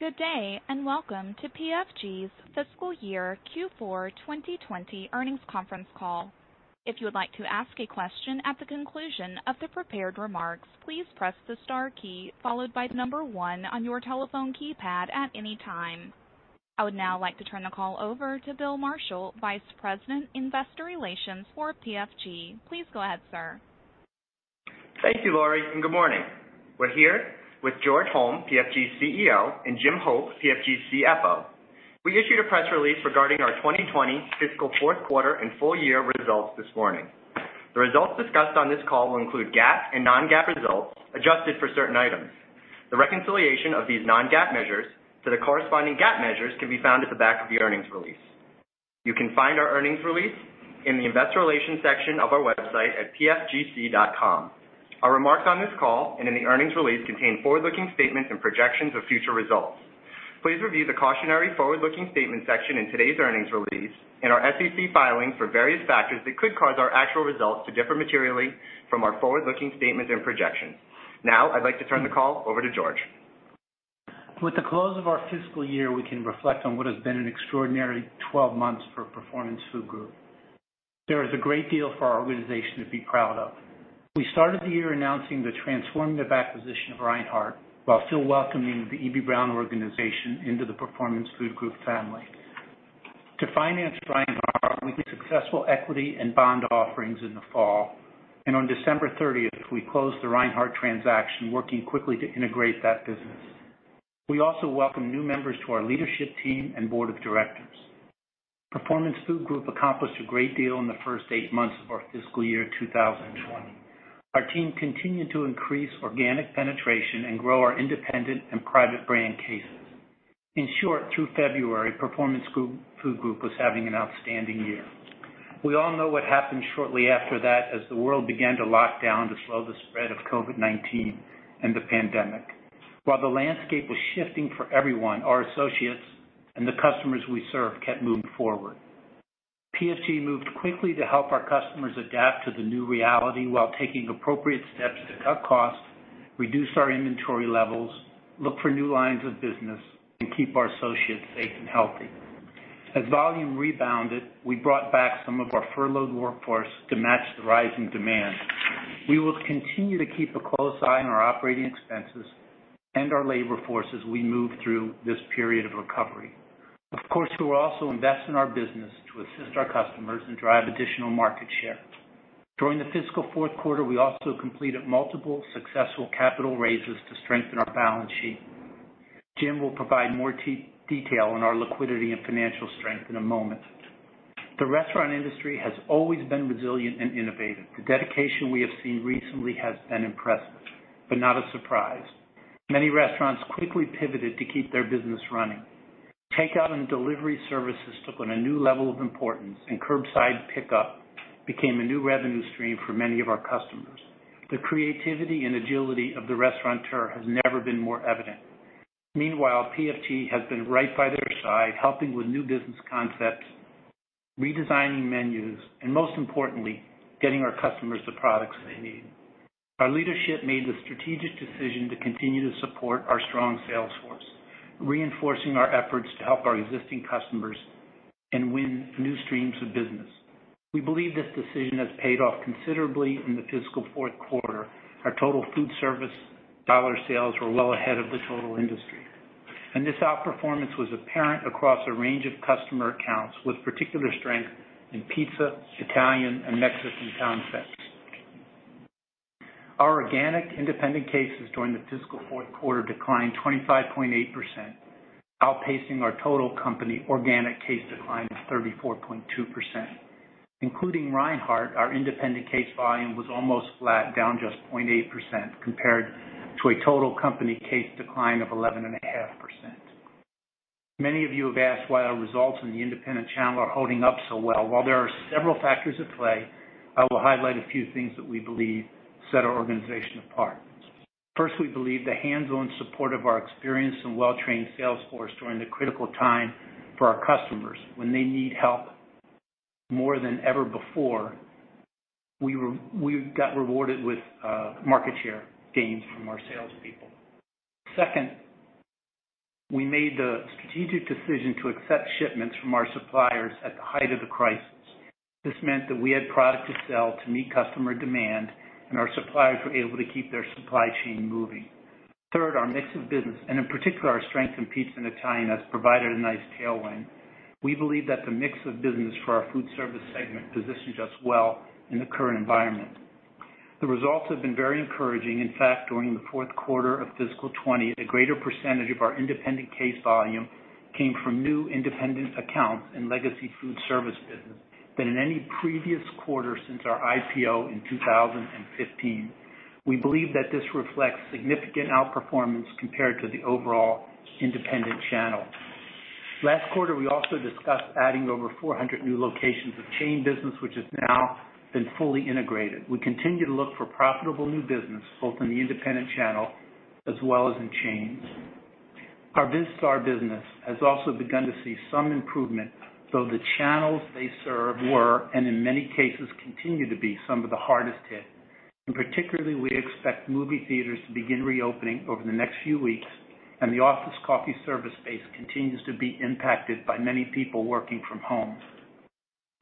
Good day, and welcome to PFG's Fiscal Year Q4 2020 Earnings Conference Call. If you would like to ask a question at the conclusion of the prepared remarks, please press the star key followed by the number 1 on your telephone keypad at any time. I would now like to turn the call over to Bill Marshall, Vice President, Investor Relations for PFG. Please go ahead, sir. Thank you, Laurie, and good morning. We're here with George Holm, PFG's CEO, and Jim Hope, PFG's CFO. We issued a press release regarding our 2020 fiscal fourth quarter and full year results this morning. The results discussed on this call will include GAAP and non-GAAP results, adjusted for certain items. The reconciliation of these non-GAAP measures to the corresponding GAAP measures can be found at the back of the earnings release. You can find our earnings release in the Investor Relations section of our website at pfgc.com. Our remarks on this call and in the earnings release contain forward-looking statements and projections of future results. Please review the Cautionary Forward-Looking Statements section in today's earnings release and our SEC filings for various factors that could cause our actual results to differ materially from our forward-looking statements and projections. Now, I'd like to turn the call over to George. With the close of our fiscal year, we can reflect on what has been an extraordinary 12 months for Performance Food Group. There is a great deal for our organization to be proud of. We started the year announcing the transformative acquisition of Reinhart, while still welcoming the Eby-Brown organization into the Performance Food Group family. To finance Reinhart, we had successful equity and bond offerings in the fall, and on December 30th, we closed the Reinhart transaction, working quickly to integrate that business. We also welcomed new members to our leadership team and board of directors. Performance Food Group accomplished a great deal in the first 8 months of our fiscal year 2020. Our team continued to increase organic penetration and grow our independent and private brand cases. In short, through February, Performance Food Group was having an outstanding year. We all know what happened shortly after that as the world began to lock down to slow the spread of COVID-19 and the pandemic. While the landscape was shifting for everyone, our associates and the customers we serve kept moving forward. PFG moved quickly to help our customers adapt to the new reality while taking appropriate steps to cut costs, reduce our inventory levels, look for new lines of business, and keep our associates safe and healthy. As volume rebounded, we brought back some of our furloughed workforce to match the rising demand. We will continue to keep a close eye on our operating expenses and our labor force as we move through this period of recovery. Of course, we will also invest in our business to assist our customers and drive additional market share. During the fiscal fourth quarter, we also completed multiple successful capital raises to strengthen our balance sheet. Jim will provide more detail on our liquidity and financial strength in a moment. The restaurant industry has always been resilient and innovative. The dedication we have seen recently has been impressive, but not a surprise. Many restaurants quickly pivoted to keep their business running. Takeout and delivery services took on a new level of importance, and curbside pickup became a new revenue stream for many of our customers. The creativity and agility of the restaurateur has never been more evident. Meanwhile, PFG has been right by their side, helping with new business concepts, redesigning menus, and most importantly, getting our customers the products they need. Our leadership made the strategic decision to continue to support our strong sales force, reinforcing our efforts to help our existing customers and win new streams of business. We believe this decision has paid off considerably in the fiscal fourth quarter. Our total Foodservice dollar sales were well ahead of the total industry, and this outperformance was apparent across a range of customer accounts, with particular strength in pizza, Italian, and Mexican concepts. Our organic independent cases during the fiscal fourth quarter declined 25.8%, outpacing our total company organic case decline of 34.2%. Including Reinhart, our independent case volume was almost flat, down just 0.8%, compared to a total company case decline of 11.5%. Many of you have asked why our results in the independent channel are holding up so well. While there are several factors at play, I will highlight a few things that we believe set our organization apart. First, we believe the hands-on support of our experienced and well-trained sales force during the critical time for our customers when they need help more than ever before, we got rewarded with market share gains from our salespeople. Second, we made the strategic decision to accept shipments from our suppliers at the height of the crisis. This meant that we had product to sell to meet customer demand, and our suppliers were able to keep their supply chain moving. Third, our mix of business, and in particular, our strength in pizza and Italian, has provided a nice tailwind. We believe that the mix of business for our Foodservice segment positions us well in the current environment. The results have been very encouraging. In fact, during the fourth quarter of fiscal 2020, a greater percentage of our independent case volume came from new independent accounts and legacy Foodservice business than in any previous quarter since our IPO in 2015. We believe that this reflects significant outperformance compared to the overall independent channel. Last quarter, we also discussed adding over 400 new locations of chain business, which has now been fully integrated. We continue to look for profitable new business, both in the independent channel as well as in chains.... Our Vistar business has also begun to see some improvement, though the channels they serve were, and in many cases, continue to be some of the hardest hit. In particular, we expect movie theaters to begin reopening over the next few weeks, and the office coffee service space continues to be impacted by many people working from home.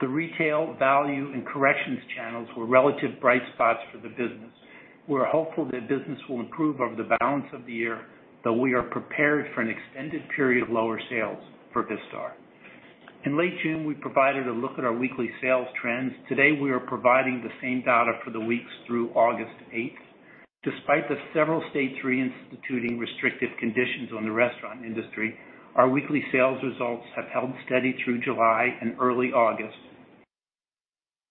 The retail, value, and corrections channels were relative bright spots for the business. We're hopeful that business will improve over the balance of the year, but we are prepared for an extended period of lower sales for Vistar. In late June, we provided a look at our weekly sales trends. Today, we are providing the same data for the weeks through August 8. Despite the several states reinstituting restrictive conditions on the restaurant industry, our weekly sales results have held steady through July and early August.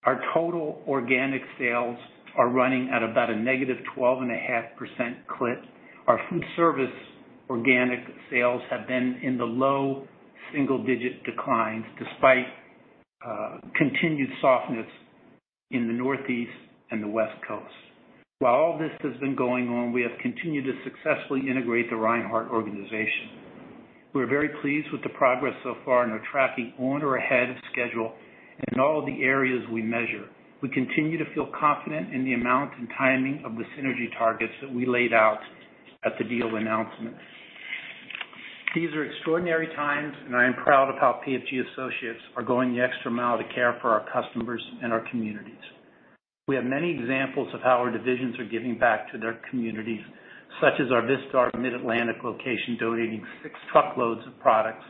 Our total organic sales are running at about a -12.5% clip. Our Foodservice organic sales have been in the low single-digit declines, despite continued softness in the Northeast and the West Coast. While all this has been going on, we have continued to successfully integrate the Reinhart organization. We're very pleased with the progress so far, and are tracking on or ahead of schedule in all the areas we measure. We continue to feel confident in the amount and timing of the synergy targets that we laid out at the deal announcement. These are extraordinary times, and I am proud of how PFG associates are going the extra mile to care for our customers and our communities. We have many examples of how our divisions are giving back to their communities, such as our Vistar Mid-Atlantic location, donating six truckloads of products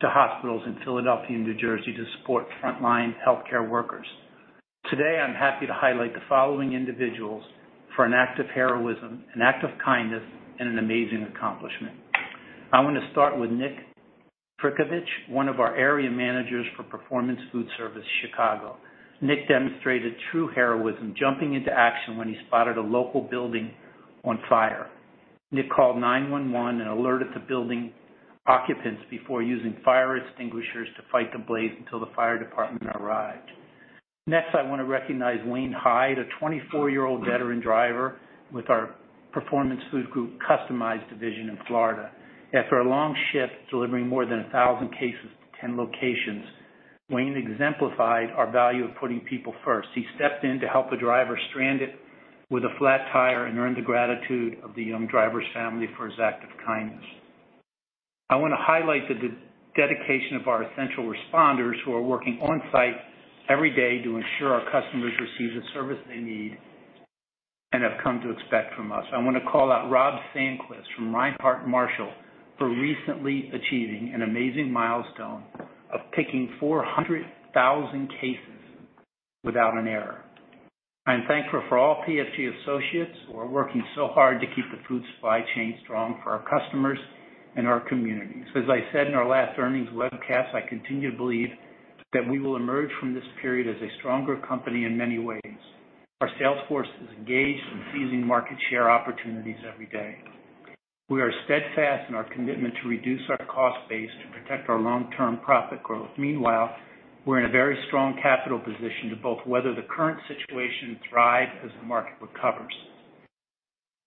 to hospitals in Philadelphia and New Jersey to support frontline healthcare workers. Today, I'm happy to highlight the following individuals for an act of heroism, an act of kindness, and an amazing accomplishment. I want to start with Nick Frckovic, one of our area managers for Performance Foodservice, Chicago. Nick demonstrated true heroism, jumping into action when he spotted a local building on fire. Nick called 911 and alerted the building occupants before using fire extinguishers to fight the blaze until the fire department arrived. Next, I want to recognize Wayne Hyde, a 24-year veteran driver with our Performance Food Group Customized division in Florida. After a long shift, delivering more than 1,000 cases to 10 locations, Wayne exemplified our value of putting people first. He stepped in to help a driver stranded with a flat tire and earned the gratitude of the young driver's family for his act of kindness. I want to highlight the dedication of our essential responders, who are working on-site every day to ensure our customers receive the service they need and have come to expect from us. I want to call out Rob Sandquist from Reinhart Foodservice, for recently achieving an amazing milestone of picking 400,000 cases without an error. I am thankful for all PFG associates who are working so hard to keep the food supply chain strong for our customers and our communities. As I said in our last earnings webcast, I continue to believe that we will emerge from this period as a stronger company in many ways. Our sales force is engaged in seizing market share opportunities every day. We are steadfast in our commitment to reduce our cost base to protect our long-term profit growth. Meanwhile, we're in a very strong capital position to both weather the current situation and thrive as the market recovers.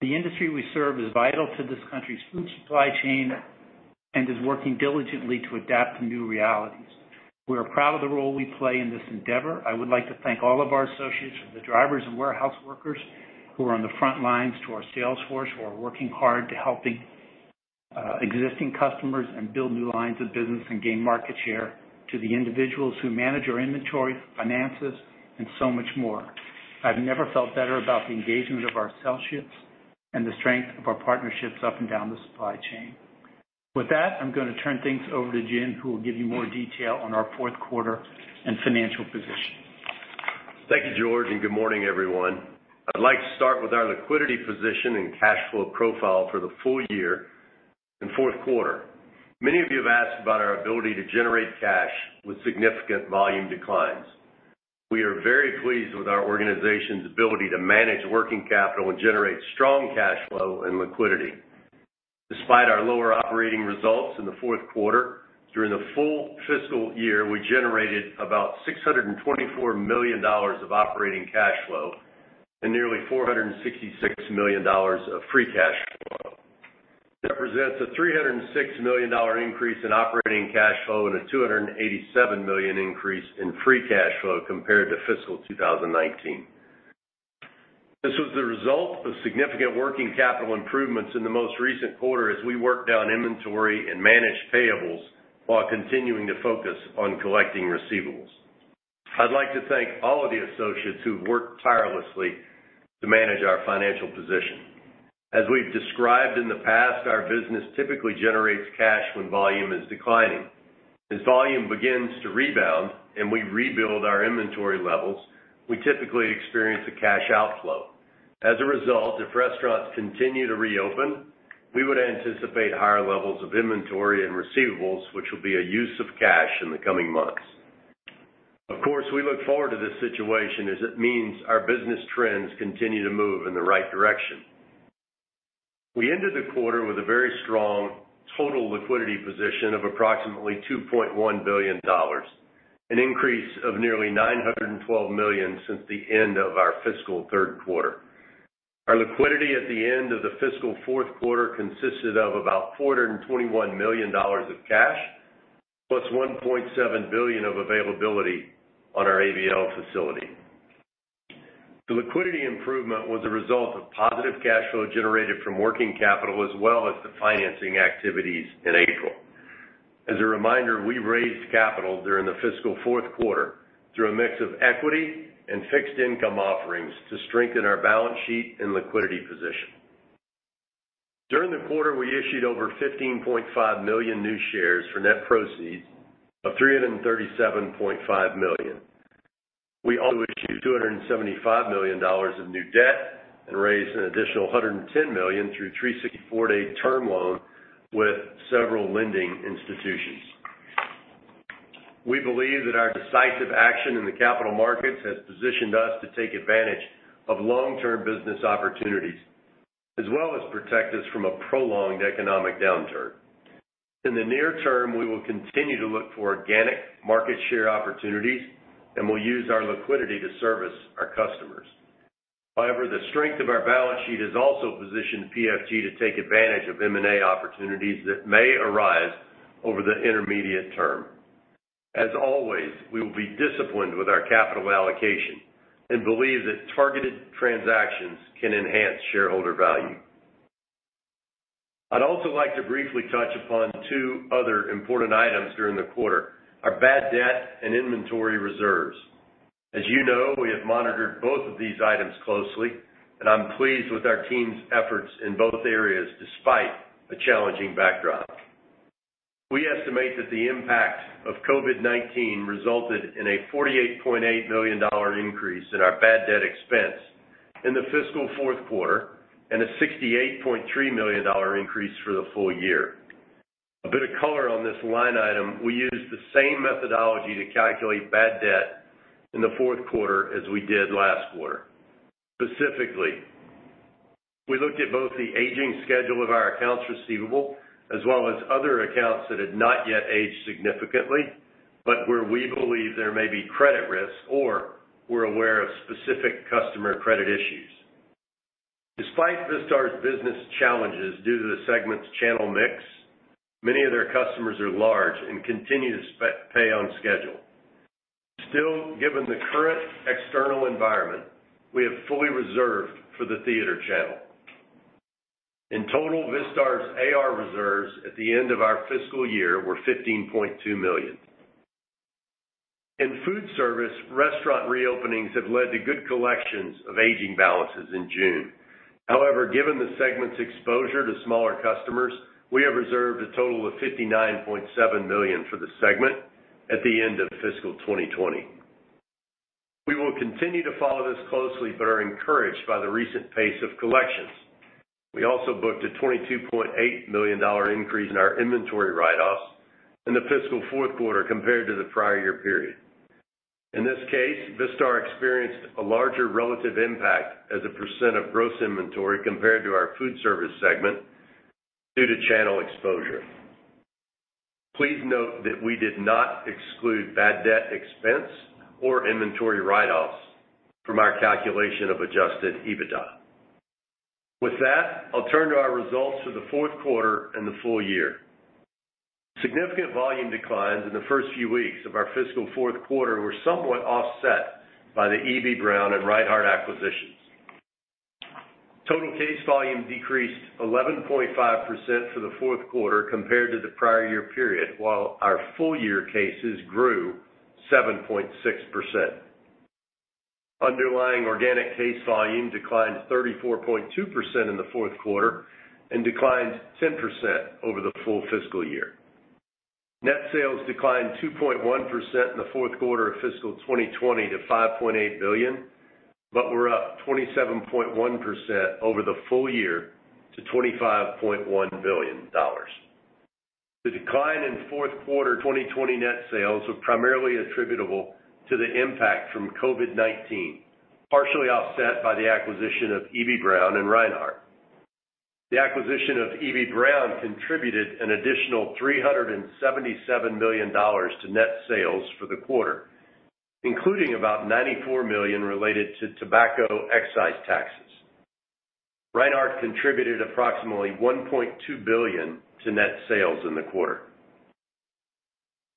The industry we serve is vital to this country's food supply chain and is working diligently to adapt to new realities. We are proud of the role we play in this endeavor. I would like to thank all of our associates, from the drivers and warehouse workers who are on the front lines, to our sales force, who are working hard to helping existing customers and build new lines of business and gain market share, to the individuals who manage our inventory, finances, and so much more. I've never felt better about the engagement of our associates and the strength of our partnerships up and down the supply chain. With that, I'm gonna turn things over to Jim, who will give you more detail on our fourth quarter and financial position. Thank you, George, and good morning, everyone. I'd like to start with our liquidity position and cash flow profile for the full year and fourth quarter. Many of you have asked about our ability to generate cash with significant volume declines. We are very pleased with our organization's ability to manage working capital and generate strong cash flow and liquidity. Despite our lower operating results in the fourth quarter, during the full fiscal year, we generated about $624 million of operating cash flow and nearly $466 million of free cash flow. That represents a $306 million increase in operating cash flow and a $287 million increase in free cash flow compared to fiscal 2019. This was the result of significant working capital improvements in the most recent quarter, as we worked down inventory and managed payables while continuing to focus on collecting receivables. I'd like to thank all of the associates who've worked tirelessly to manage our financial position. As we've described in the past, our business typically generates cash when volume is declining. As volume begins to rebound and we rebuild our inventory levels, we typically experience a cash outflow. As a result, if restaurants continue to reopen, we would anticipate higher levels of inventory and receivables, which will be a use of cash in the coming months. Of course, we look forward to this situation as it means our business trends continue to move in the right direction. We ended the quarter with a very strong total liquidity position of approximately $2.1 billion.... An increase of nearly $912 million since the end of our fiscal third quarter. Our liquidity at the end of the fiscal fourth quarter consisted of about $421 million of cash, plus $1.7 billion of availability on our ABL facility. The liquidity improvement was a result of positive cash flow generated from working capital, as well as the financing activities in April. As a reminder, we raised capital during the fiscal fourth quarter through a mix of equity and fixed income offerings to strengthen our balance sheet and liquidity position. During the quarter, we issued over 15.5 million new shares for net proceeds of $337.5 million. We also issued $275 million of new debt and raised an additional $110 million through a 364-day term loan with several lending institutions. We believe that our decisive action in the capital markets has positioned us to take advantage of long-term business opportunities, as well as protect us from a prolonged economic downturn. In the near term, we will continue to look for organic market share opportunities, and we'll use our liquidity to service our customers. However, the strength of our balance sheet has also positioned PFG to take advantage of M&A opportunities that may arise over the intermediate term. As always, we will be disciplined with our capital allocation and believe that targeted transactions can enhance shareholder value. I'd also like to briefly touch upon two other important items during the quarter, our bad debt and inventory reserves. As you know, we have monitored both of these items closely, and I'm pleased with our team's efforts in both areas, despite a challenging backdrop. We estimate that the impact of COVID-19 resulted in a $48.8 million increase in our bad debt expense in the fiscal fourth quarter, and a $68.3 million increase for the full year. A bit of color on this line item, we used the same methodology to calculate bad debt in the fourth quarter as we did last quarter. Specifically, we looked at both the aging schedule of our accounts receivable, as well as other accounts that had not yet aged significantly, but where we believe there may be credit risks or we're aware of specific customer credit issues. Despite Vistar's business challenges due to the segment's channel mix, many of their customers are large and continue to pay on schedule. Still, given the current external environment, we have fully reserved for the theater channel. In total, Vistar's AR reserves at the end of our fiscal year were $15.2 million. In Foodservice, restaurant reopenings have led to good collections of aging balances in June. However, given the segment's exposure to smaller customers, we have reserved a total of $59.7 million for the segment at the end of fiscal 2020. We will continue to follow this closely, but are encouraged by the recent pace of collections. We also booked a $22.8 million increase in our inventory write-offs in the fiscal fourth quarter compared to the prior year period. In this case, Vistar experienced a larger relative impact as a percent of gross inventory compared to our Foodservice segment due to channel exposure. Please note that we did not exclude bad debt expense or inventory write-offs from our calculation of Adjusted EBITDA. With that, I'll turn to our results for the fourth quarter and the full year. Significant volume declines in the first few weeks of our fiscal fourth quarter were somewhat offset by the Eby-Brown and Reinhart acquisitions. Total case volume decreased 11.5% for the fourth quarter compared to the prior year period, while our full year cases grew 7.6%. Underlying organic case volume declined 34.2% in the fourth quarter and declined 10% over the full fiscal year. Net sales declined 2.1% in the fourth quarter of fiscal 2020 to $5.8 billion, but were up 27.1% over the full year to $25.1 billion. The decline in fourth quarter 2020 net sales was primarily attributable to the impact from COVID-19, partially offset by the acquisition of Eby-Brown and Reinhart. The acquisition of Eby-Brown contributed an additional $377 million to net sales for the quarter, including about $94 million related to tobacco excise taxes. Reinhart contributed approximately $1.2 billion to net sales in the quarter.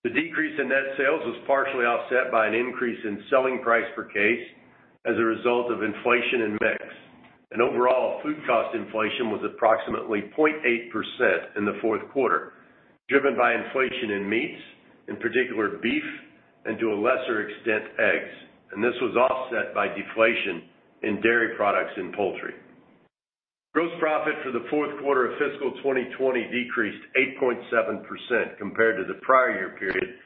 The decrease in net sales was partially offset by an increase in selling price per case as a result of inflation and mix. Overall, food cost inflation was approximately 0.8% in the fourth quarter, driven by inflation in meats, in particular, beef, and to a lesser extent, eggs. This was offset by deflation in dairy products and poultry. Gross profit for the fourth quarter of fiscal 2020 decreased 8.7% compared to the prior year period,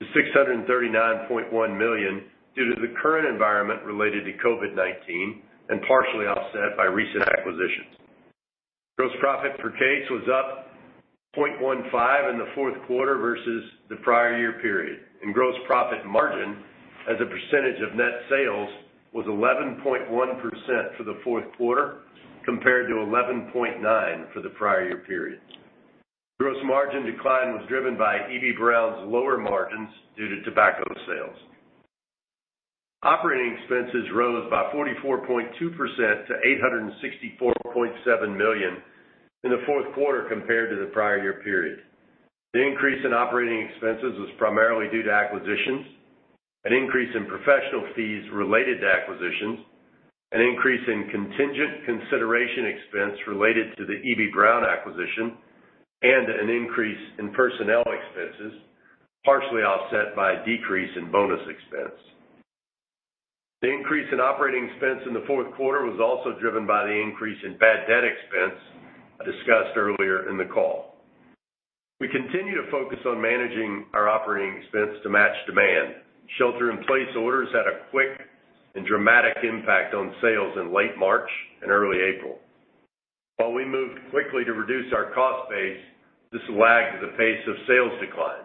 to $639.1 million, due to the current environment related to COVID-19 and partially offset by recent acquisitions. Gross profit per case was up 0.15 in the fourth quarter versus the prior year period, and gross profit margin, as a percentage of net sales, was 11.1% for the fourth quarter, compared to 11.9% for the prior year period. Gross margin decline was driven by Eby-Brown's lower margins due to tobacco sales. Operating expenses rose by 44.2% to $864.7 million in the fourth quarter compared to the prior year period. The increase in operating expenses was primarily due to acquisitions, an increase in professional fees related to acquisitions, an increase in contingent consideration expense related to the Eby-Brown acquisition, and an increase in personnel expenses, partially offset by a decrease in bonus expense. The increase in operating expense in the fourth quarter was also driven by the increase in bad debt expense, discussed earlier in the call. We continue to focus on managing our operating expense to match demand. Shelter-in-place orders had a quick and dramatic impact on sales in late March and early April. While we moved quickly to reduce our cost base, this lagged the pace of sales declines.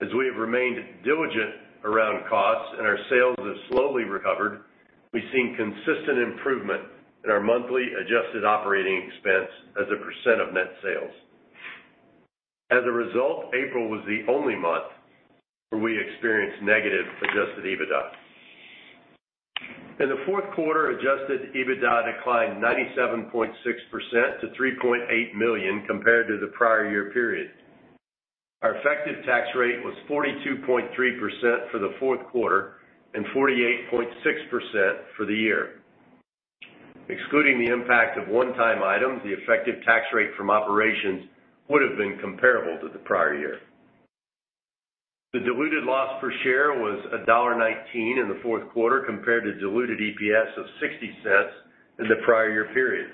As we have remained diligent around costs and our sales have slowly recovered, we've seen consistent improvement in our monthly adjusted operating expense as a percent of net sales. As a result, April was the only month where we experienced negative adjusted EBITDA. In the fourth quarter, adjusted EBITDA declined 97.6% to $3.8 million compared to the prior year period. Our effective tax rate was 42.3% for the fourth quarter and 48.6% for the year. Excluding the impact of one-time items, the effective tax rate from operations would have been comparable to the prior year. The diluted loss per share was $1.19 in the fourth quarter, compared to diluted EPS of $0.60 in the prior year period.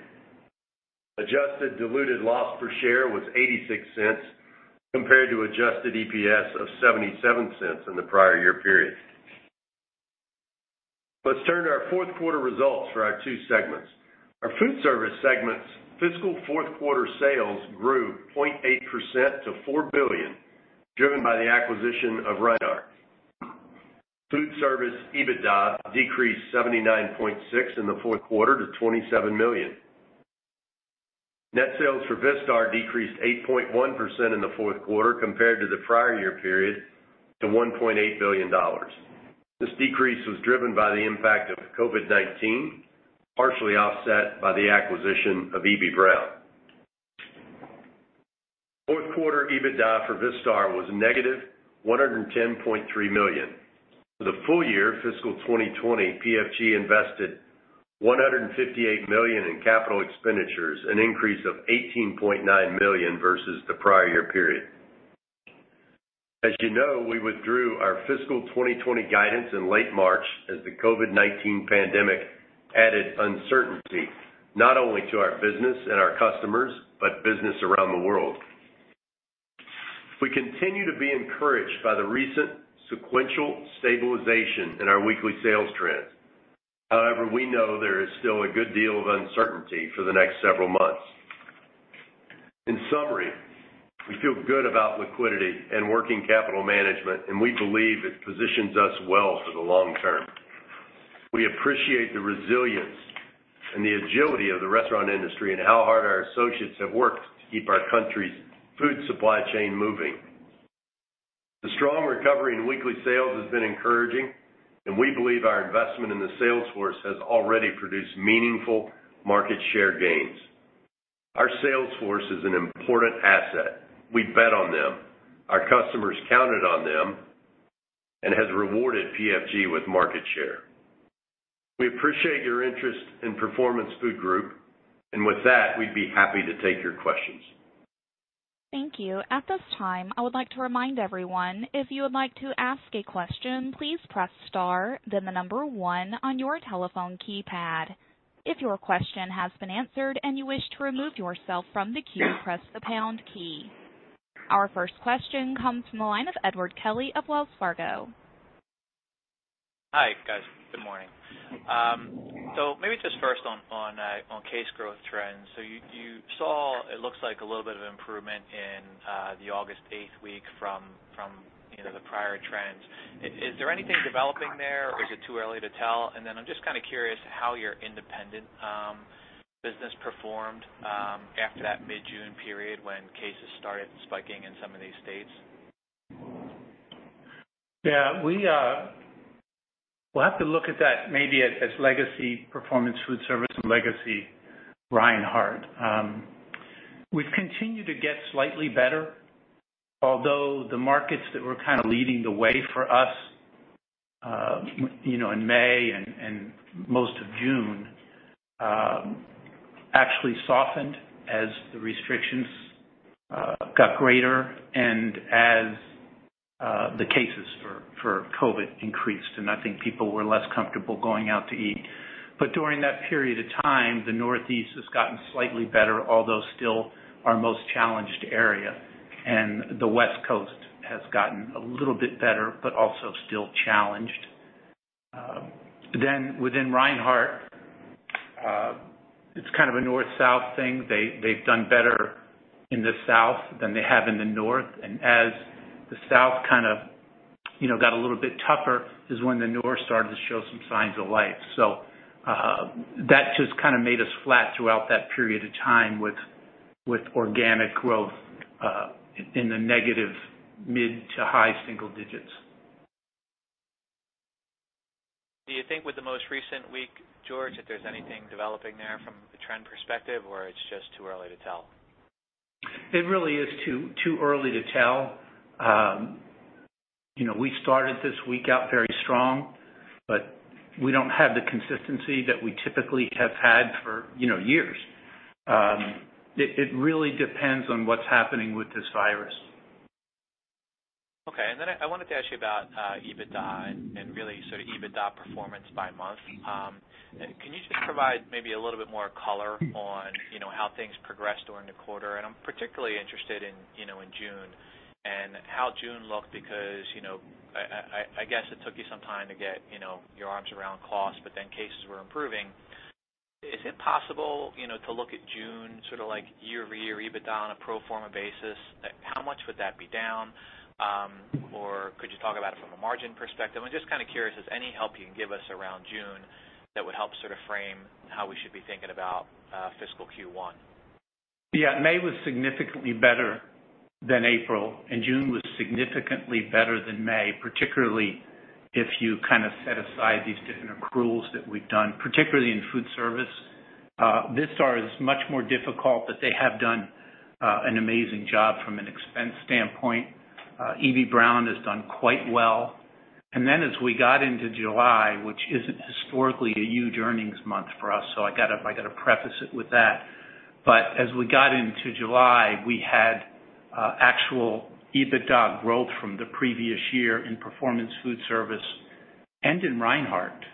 Adjusted diluted loss per share was $0.86, compared to adjusted EPS of $0.77 in the prior year period. Let's turn to our fourth quarter results for our two segments. Our Foodservice segment's fiscal fourth quarter sales grew 0.8% to $4 billion, driven by the acquisition of Reinhart. Foodservice EBITDA decreased 79.6 in the fourth quarter to $27 million. Net sales for Vistar decreased 8.1% in the fourth quarter compared to the prior year period to $1.8 billion. This decrease was driven by the impact of COVID-19, partially offset by the acquisition of Eby-Brown. Fourth quarter EBITDA for Vistar was -$110.3 million. For the full year, fiscal 2020, PFG invested $158 million in capital expenditures, an increase of $18.9 million versus the prior year period. As you know, we withdrew our fiscal 2020 guidance in late March as the COVID-19 pandemic added uncertainty, not only to our business and our customers, but business around the world. We continue to be encouraged by the recent sequential stabilization in our weekly sales trends. However, we know there is still a good deal of uncertainty for the next several months. In summary, we feel good about liquidity and working capital management, and we believe it positions us well for the long term. We appreciate the resilience and the agility of the restaurant industry and how hard our associates have worked to keep our country's food supply chain moving. The strong recovery in weekly sales has been encouraging, and we believe our investment in the sales force has already produced meaningful market share gains. Our sales force is an important asset. We bet on them. Our customers counted on them and have rewarded PFG with market share. We appreciate your interest in Performance Food Group, and with that, we'd be happy to take your questions. Thank you. At this time, I would like to remind everyone, if you would like to ask a question, please press star, then the number one on your telephone keypad. If your question has been answered and you wish to remove yourself from the queue, press the pound key. Our first question comes from the line of Edward Kelly of Wells Fargo. Hi, guys. Good morning. So maybe just first on, on, on case growth trends. So you, you saw, it looks like a little bit of improvement in, the August eighth week from, from, you know, the prior trends. Is there anything developing there, or is it too early to tell? And then I'm just kind of curious how your independent, business performed, after that mid-June period when cases started spiking in some of these states. Yeah, we, we'll have to look at that maybe as, as legacy Performance Foodservice and legacy Reinhart. We've continued to get slightly better, although the markets that were kind of leading the way for us, you know, in May and, and most of June, actually softened as the restrictions got greater and as, the cases for, for COVID increased, and I think people were less comfortable going out to eat. But during that period of time, the Northeast has gotten slightly better, although still our most challenged area, and the West Coast has gotten a little bit better, but also still challenged. Then within Reinhart, it's kind of a North-South thing. They've done better in the South than they have in the North, and as the South kind of-... you know, got a little bit tougher, is when the north started to show some signs of life. So, that just kind of made us flat throughout that period of time with organic growth in the negative mid- to high-single digits. Do you think with the most recent week, George, that there's anything developing there from the trend perspective, or it's just too early to tell? It really is too, too early to tell. You know, we started this week out very strong, but we don't have the consistency that we typically have had for, you know, years. It really depends on what's happening with this virus. Okay. And then I wanted to ask you about EBITDA and really sort of EBITDA performance by month. Can you just provide maybe a little bit more color on, you know, how things progressed during the quarter? And I'm particularly interested in, you know, in June, and how June looked because, you know, I guess it took you some time to get, you know, your arms around costs, but then cases were improving. Is it possible, you know, to look at June, sort of like year-over-year EBITDA on a pro forma basis? How much would that be down? Or could you talk about it from a margin perspective? I'm just kind of curious, as any help you can give us around June that would help sort of frame how we should be thinking about fiscal Q1. Yeah, May was significantly better than April, and June was significantly better than May, particularly if you kind of set aside these different accruals that we've done, particularly in foodservice. Vistar is much more difficult, but they have done an amazing job from an expense standpoint. Eby-Brown has done quite well. And then as we got into July, which isn't historically a huge earnings month for us, so I gotta preface it with that. But as we got into July, we had actual EBITDA growth from the previous year in Performance Foodservice and in Reinhart.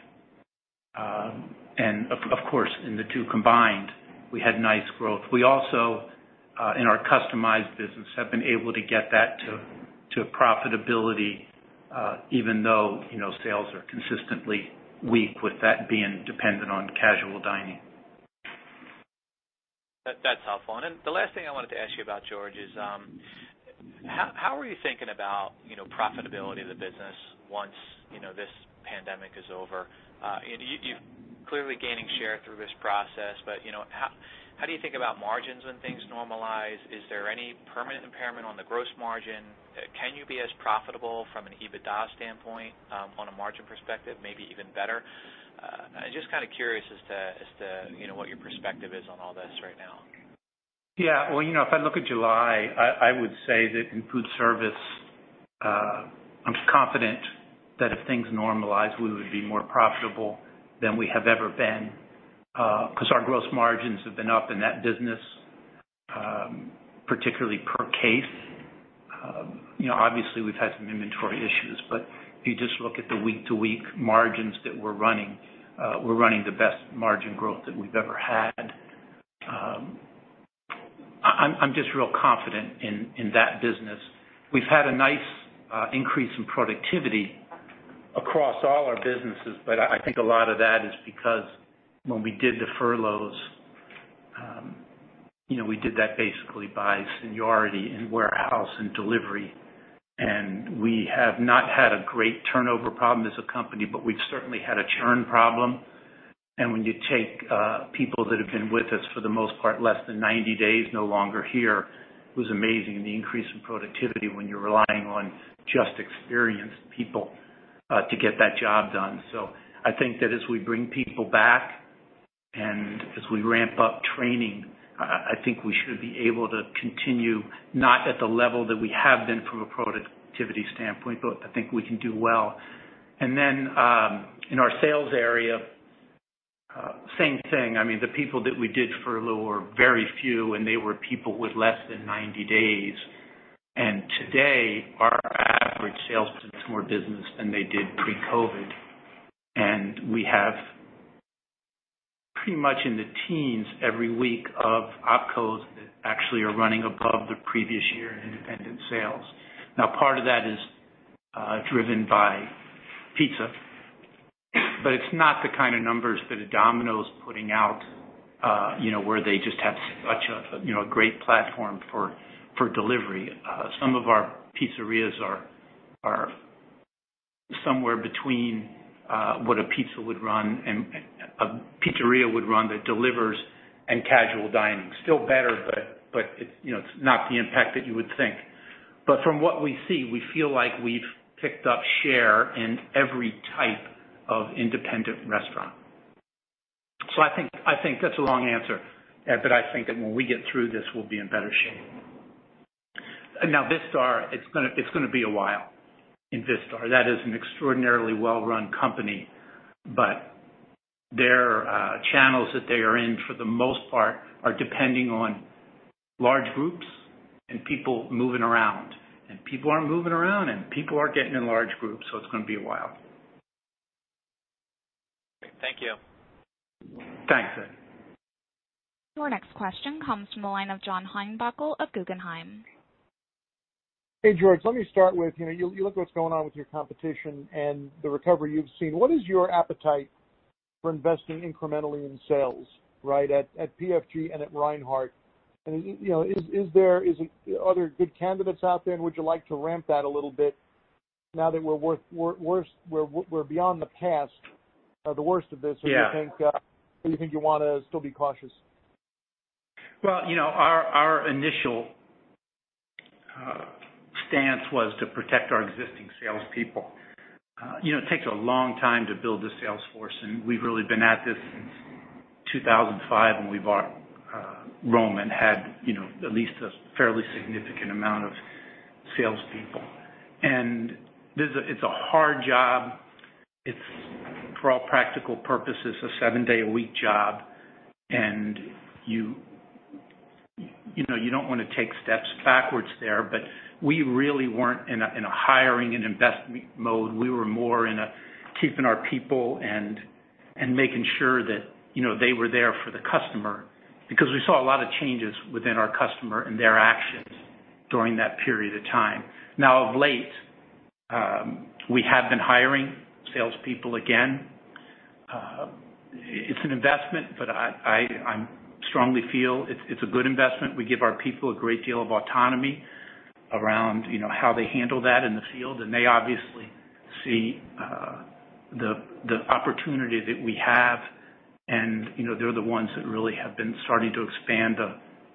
And of course, in the two combined, we had nice growth. We also in our customized business have been able to get that to profitability even though, you know, sales are consistently weak, with that being dependent on casual dining. That's helpful. And then the last thing I wanted to ask you about, George, is how are you thinking about, you know, profitability of the business once, you know, this pandemic is over? You're clearly gaining share through this process, but, you know, how do you think about margins when things normalize? Is there any permanent impairment on the gross margin? Can you be as profitable from an EBITDA standpoint, on a margin perspective, maybe even better? Just kind of curious as to what your perspective is on all this right now. Yeah. Well, you know, if I look at July, I would say that in Foodservice, I'm confident that if things normalize, we would be more profitable than we have ever been, because our gross margins have been up in that business, particularly per case. You know, obviously, we've had some inventory issues, but if you just look at the week-to-week margins that we're running, we're running the best margin growth that we've ever had. I'm just real confident in that business. We've had a nice increase in productivity across all our businesses, but I think a lot of that is because when we did the furloughs, you know, we did that basically by seniority in warehouse and delivery. We have not had a great turnover problem as a company, but we've certainly had a churn problem. And when you take, people that have been with us for the most part, less than 90 days, no longer here, it was amazing the increase in productivity when you're relying on just experienced people, to get that job done. So I think that as we bring people back and as we ramp up training, I think we should be able to continue, not at the level that we have been from a productivity standpoint, but I think we can do well. And then, in our sales area, same thing. I mean, the people that we did furlough were very few, and they were people with less than 90 days. And today, our average sales does more business than they did pre-COVID. And we have pretty much in the teens every week of OpCos that actually are running above the previous year in independent sales. Now, part of that is driven by pizza, but it's not the kind of numbers that a Domino's putting out, you know, where they just have such a, you know, a great platform for delivery. Some of our pizzerias are somewhere between what a pizza would run and a pizzeria would run that delivers and casual dining. Still better, but it's, you know, it's not the impact that you would think. But from what we see, we feel like we've picked up share in every type of independent restaurant. So I think that's a long answer, but I think that when we get through this, we'll be in better shape. Now, Vistar, it's gonna be a while in Vistar. That is an extraordinarily well-run company, but their channels that they are in, for the most part, are depending on large groups and people moving around. And people aren't moving around, and people aren't getting in large groups, so it's gonna be a while. Thank you. Thanks. Your next question comes from the line of John Heinbockel of Guggenheim. Hey, George, let me start with, you know, you look at what's going on with your competition and the recovery you've seen. What is your appetite for investing incrementally in sales, right, at PFG and at Reinhart. And, you know, are there good candidates out there, and would you like to ramp that a little bit now that we're beyond the past or the worst of this? Yeah. Or do you think, or do you think you wanna still be cautious? Well, you know, our initial stance was to protect our existing salespeople. You know, it takes a long time to build a sales force, and we've really been at this since 2005, when we bought Roma, and had, you know, at least a fairly significant amount of salespeople. And this is a hard job. It's, for all practical purposes, a seven-day-a-week job, and you know, you don't wanna take steps backwards there. But we really weren't in a hiring and investment mode. We were more in a keeping our people and making sure that, you know, they were there for the customer. Because we saw a lot of changes within our customer and their actions during that period of time. Now, of late, we have been hiring salespeople again. It's an investment, but I strongly feel it's a good investment. We give our people a great deal of autonomy around, you know, how they handle that in the field, and they obviously see the opportunity that we have, and, you know, they're the ones that really have been starting to expand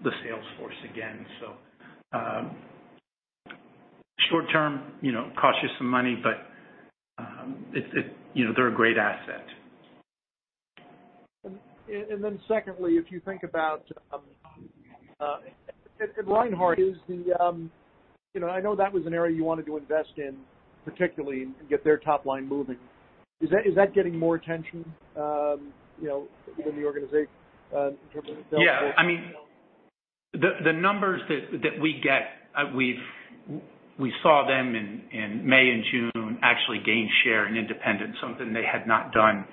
the sales force again. So, short term, you know, it costs you some money, but, you know, they're a great asset. Then secondly, if you think about at Reinhart, is the... You know, I know that was an area you wanted to invest in, particularly, and get their top line moving. Is that getting more attention, you know, within the organization, in terms of- Yeah. I mean, the numbers that we get, we saw them in May and June, actually gain share in independent, something they had not done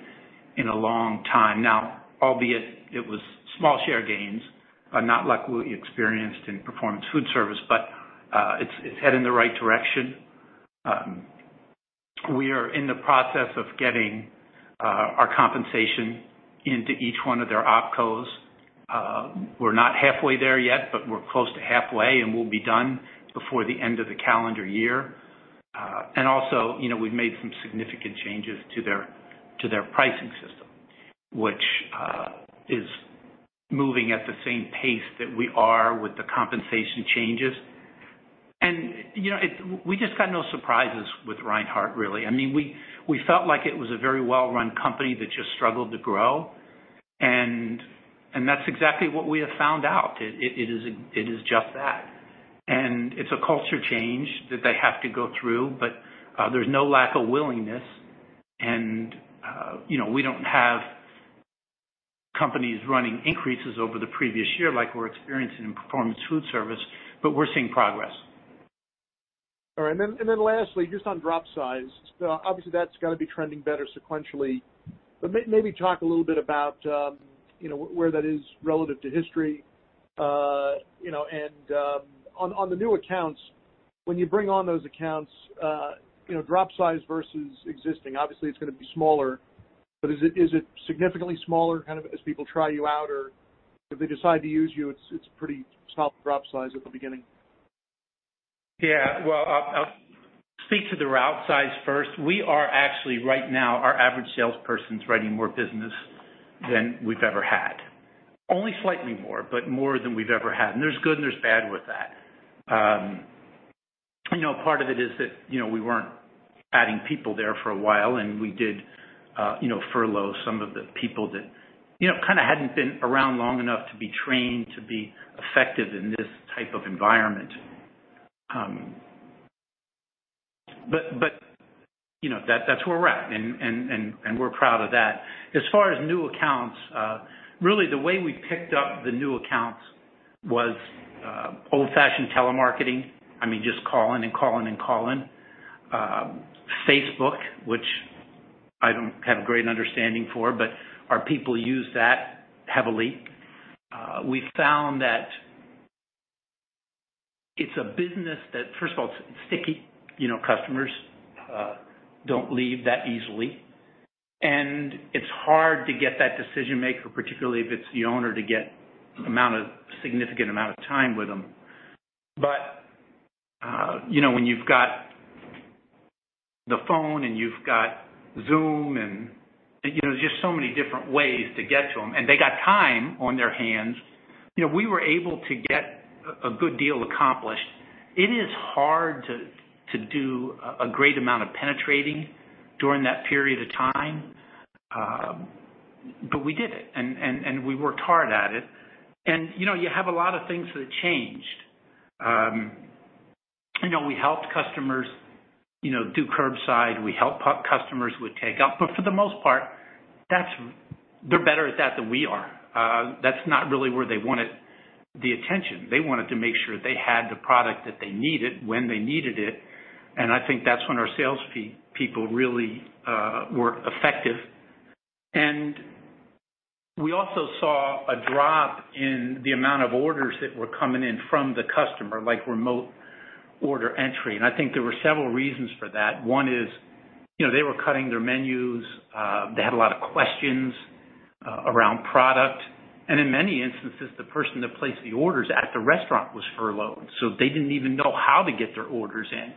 in a long time. Now, albeit it was small share gains, not like what we experienced in Performance Foodservice, but it's heading in the right direction. We are in the process of getting our compensation into each one of their opcos. We're not halfway there yet, but we're close to halfway, and we'll be done before the end of the calendar year. And also, you know, we've made some significant changes to their pricing system, which is moving at the same pace that we are with the compensation changes. And, you know, we just got no surprises with Reinhart, really. I mean, we felt like it was a very well-run company that just struggled to grow, and that's exactly what we have found out. It is just that. And it's a culture change that they have to go through, but there's no lack of willingness. And you know, we don't have companies running increases over the previous year like we're experiencing in Foodservice, but we're seeing progress. All right. And then lastly, just on drop size, obviously, that's gotta be trending better sequentially. But maybe talk a little bit about, you know, where that is relative to history. You know, and on the new accounts, when you bring on those accounts, you know, drop size versus existing, obviously, it's gonna be smaller, but is it significantly smaller, kind of, as people try you out? Or if they decide to use you, it's pretty small drop size at the beginning. Yeah. Well, I'll speak to the route size first. We are actually, right now, our average salesperson's writing more business than we've ever had. Only slightly more, but more than we've ever had, and there's good and there's bad with that. You know, part of it is that, you know, we weren't adding people there for a while, and we did, you know, furlough some of the people that, you know, kind of hadn't been around long enough to be trained to be effective in this type of environment. But you know, that's where we're at, and we're proud of that. As far as new accounts, really, the way we picked up the new accounts was old-fashioned telemarketing. I mean, just calling and calling and calling. Facebook, which I don't have a great understanding for, but our people use that heavily. We found that it's a business that... First of all, it's sticky. You know, customers don't leave that easily, and it's hard to get that decision-maker, particularly if it's the owner, to get a significant amount of time with them. But you know, when you've got the phone and you've got Zoom and, you know, just so many different ways to get to them, and they got time on their hands, you know, we were able to get a good deal accomplished. It is hard to do a great amount of penetrating during that period of time, but we did it, and we worked hard at it. You know, you have a lot of things that changed. You know, we helped customers, you know, do curbside. We helped customers with takeout. But for the most part, that's—they're better at that than we are. That's not really where they wanted the attention. They wanted to make sure they had the product that they needed, when they needed it, and I think that's when our sales people really were effective. And we also saw a drop in the amount of orders that were coming in from the customer, like remote order entry. And I think there were several reasons for that. One is, you know, they were cutting their menus, they had a lot of questions around product, and in many instances, the person that placed the orders at the restaurant was furloughed, so they didn't even know how to get their orders in.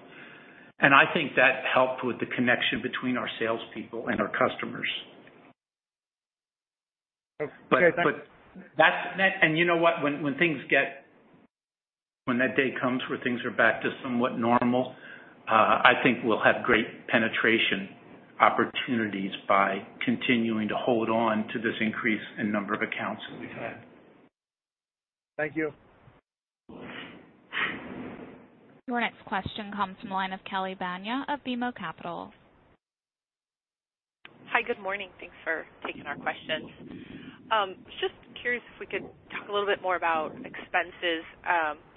I think that helped with the connection between our salespeople and our customers. Okay, but- You know what? When that day comes, where things are back to somewhat normal, I think we'll have great penetration opportunities by continuing to hold on to this increase in number of accounts that we've had. Thank you. Your next question comes from the line of Kelly Bania of BMO Capital. Hi, good morning. Thanks for taking our questions. Just curious if we could talk a little bit more about expenses.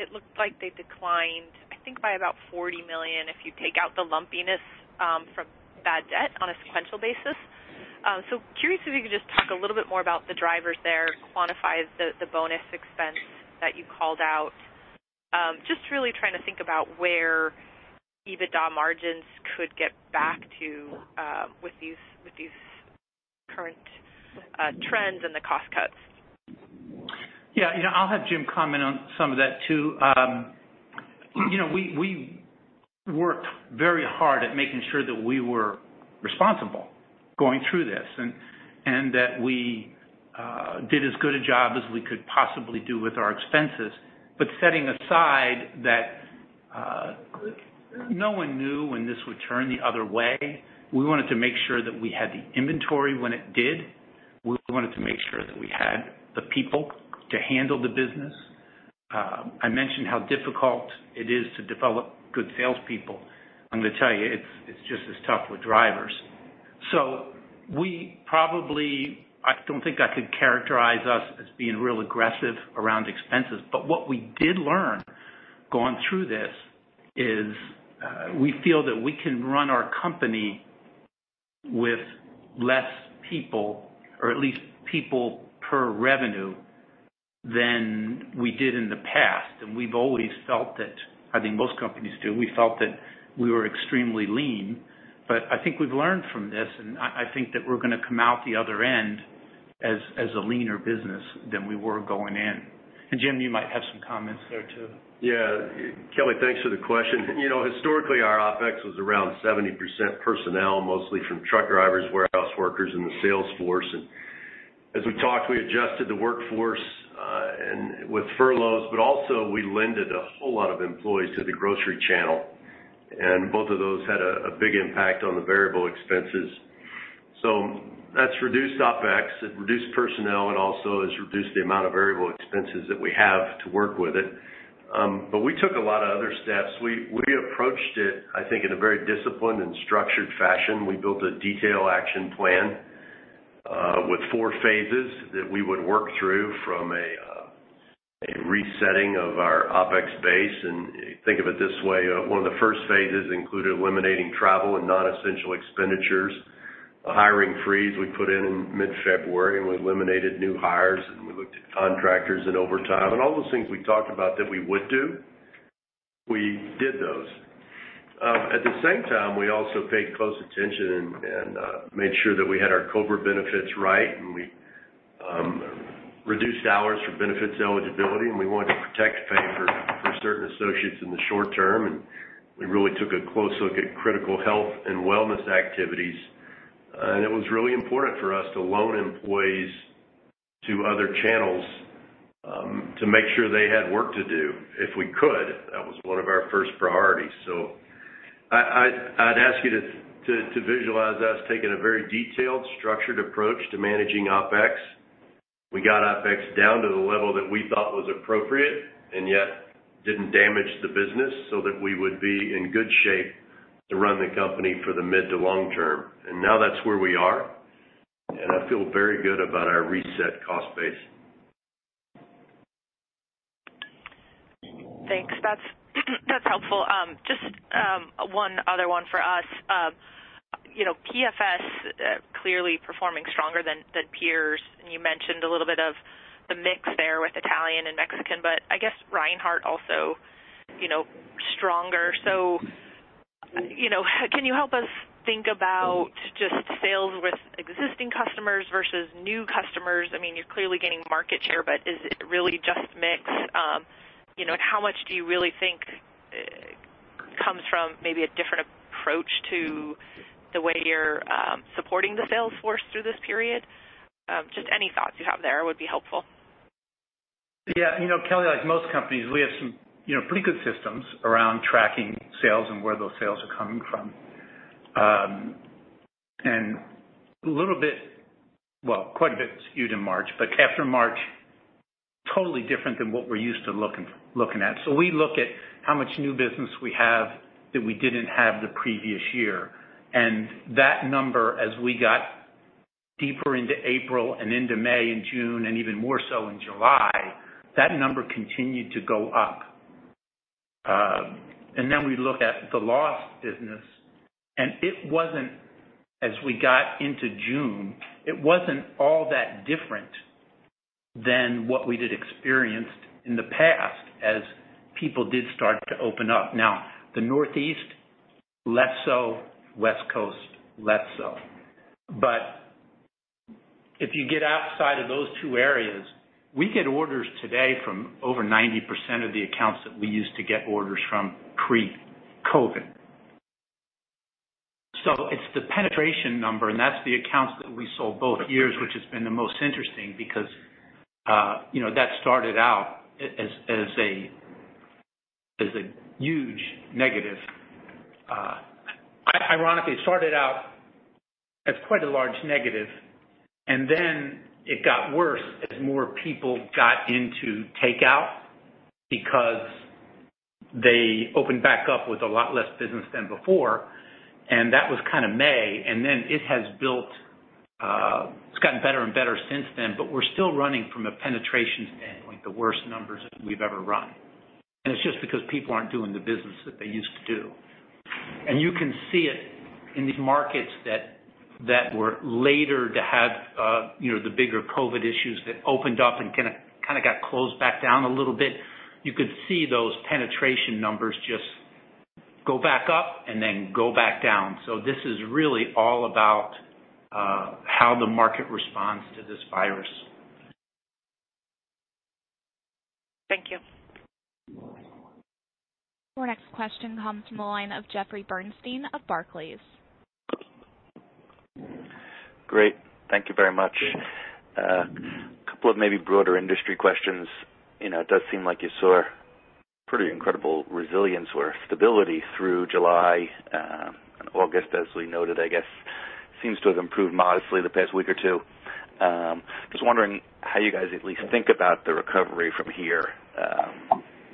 It looked like they declined, I think, by about $40 million, if you take out the lumpiness from bad debt on a sequential basis. So curious if you could just talk a little bit more about the drivers there, quantify the bonus expense that you called out. Just really trying to think about where EBITDA margins could get back to with these current trends and the cost cuts. Yeah. You know, I'll have Jim comment on some of that, too. You know, we worked very hard at making sure that we were responsible going through this, and that we did as good a job as we could possibly do with our expenses. But setting aside that, no one knew when this would turn the other way, we wanted to make sure that we had the inventory when it did. We wanted to make sure that we had the people to handle the business. I mentioned how difficult it is to develop good salespeople. I'm going to tell you, it's just as tough with drivers. So we probably—I don't think I could characterize us as being real aggressive around expenses, but what we did learn, going through this, is, we feel that we can run our company with less people, or at least people per revenue, than we did in the past. And we've always felt that, I think most companies do, we felt that we were extremely lean. But I think we've learned from this, and I, I think that we're going to come out the other end as, as a leaner business than we were going in. And, Jim, you might have some comments there, too. Yeah. Kelly, thanks for the question. You know, historically, our OpEx was around 70% personnel, mostly from truck drivers, warehouse workers, and the sales force. And as we talked, we adjusted the workforce, and with furloughs, but also we lent a whole lot of employees to the grocery channel. And both of those had a big impact on the variable expenses. So that's reduced OpEx, it reduced personnel, and also has reduced the amount of variable expenses that we have to work with it. But we took a lot of other steps. We approached it, I think, in a very disciplined and structured fashion. We built a detailed action plan with four phases that we would work through from a resetting of our OpEx base. Think of it this way, one of the first phases included eliminating travel and non-essential expenditures. A hiring freeze we put in in mid-February, and we eliminated new hires, and we looked at contractors and overtime. All those things we talked about that we would do, we did those. At the same time, we also paid close attention and made sure that we had our COBRA benefits right, and we reduced hours for benefits eligibility, and we wanted to protect pay for certain associates in the short term. We really took a close look at critical health and wellness activities. It was really important for us to loan employees to other channels to make sure they had work to do, if we could. That was one of our first priorities. So, I'd ask you to visualize us taking a very detailed, structured approach to managing OpEx. We got OpEx down to the level that we thought was appropriate and yet didn't damage the business, so that we would be in good shape to run the company for the mid- to long-term. And now that's where we are, and I feel very good about our reset cost base. Thanks. That's, that's helpful. Just, one other one for us. You know, PFS clearly performing stronger than, than peers, and you mentioned a little bit of the mix there with Italian and Mexican, but I guess Reinhart also, you know, stronger. So, you know, can you help us think about just sales with existing customers versus new customers? I mean, you're clearly gaining market share, but is it really just mix? You know, and how much do you really think, comes from maybe a different approach to the way you're, supporting the sales force through this period? Just any thoughts you have there would be helpful. Yeah. You know, Kelly, like most companies, we have some, you know, pretty good systems around tracking sales and where those sales are coming from. And a little bit, well, quite a bit skewed in March, but after March, totally different than what we're used to looking at. So we look at how much new business we have that we didn't have the previous year, and that number, as we got deeper into April and into May and June, and even more so in July, that number continued to go up... And then we look at the lost business, and it wasn't, as we got into June, it wasn't all that different than what we had experienced in the past, as people did start to open up. Now, the Northeast, less so. West Coast, less so. But if you get outside of those two areas, we get orders today from over 90% of the accounts that we used to get orders from pre-COVID. So it's the penetration number, and that's the accounts that we sold both years, which has been the most interesting because, you know, that started out as a huge negative. Ironically, it started out as quite a large negative, and then it got worse as more people got into takeout because they opened back up with a lot less business than before, and that was kind of May. And then it has built, it's gotten better and better since then, but we're still running from a penetration standpoint, the worst numbers that we've ever run. And it's just because people aren't doing the business that they used to do. You can see it in these markets that were later to have, you know, the bigger COVID issues, that opened up and kinda got closed back down a little bit. You could see those penetration numbers just go back up and then go back down. This is really all about how the market responds to this virus. Thank you. Our next question comes from the line of Jeffrey Bernstein of Barclays. Great. Thank you very much. A couple of maybe broader industry questions. You know, it does seem like you saw pretty incredible resilience or stability through July and August, as we noted. I guess, seems to have improved modestly the past week or two. Just wondering how you guys at least think about the recovery from here,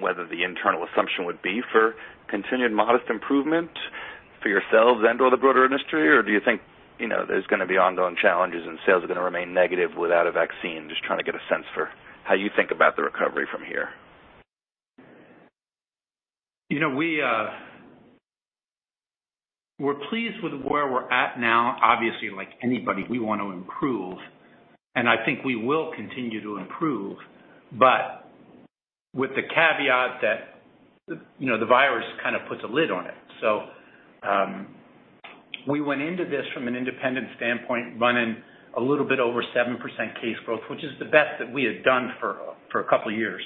whether the internal assumption would be for continued modest improvement for yourselves and/or the broader industry? Or do you think, you know, there's gonna be ongoing challenges and sales are gonna remain negative without a vaccine? Just trying to get a sense for how you think about the recovery from here. You know, we, we're pleased with where we're at now. Obviously, like anybody, we want to improve, and I think we will continue to improve, but with the caveat that, you know, the virus kind of puts a lid on it. So, we went into this from an independent standpoint, running a little bit over 7% case growth, which is the best that we had done for a couple of years.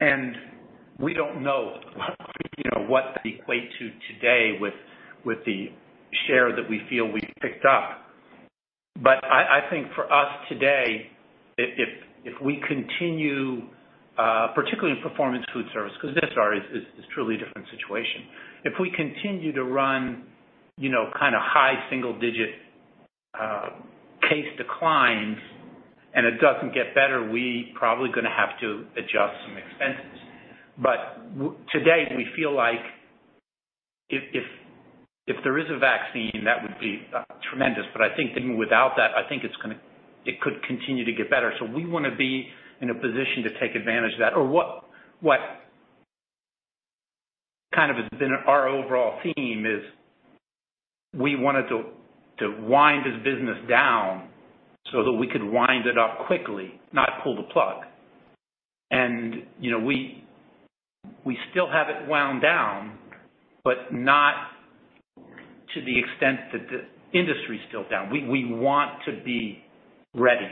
And we don't know, you know, what to equate to today with the share that we feel we've picked up. But I think for us today, if we continue, particularly in Performance Foodservice, because this is truly a different situation. If we continue to run, you know, kind of high single digit case declines and it doesn't get better, we probably gonna have to adjust some expenses. But today, we feel like if there is a vaccine, that would be tremendous, but I think even without that, I think it's gonna, it could continue to get better. So we wanna be in a position to take advantage of that. Or what kind of has been our overall theme is we wanted to wind this business down so that we could wind it up quickly, not pull the plug. And, you know, we still have it wound down, but not to the extent that the industry is still down. We want to be ready.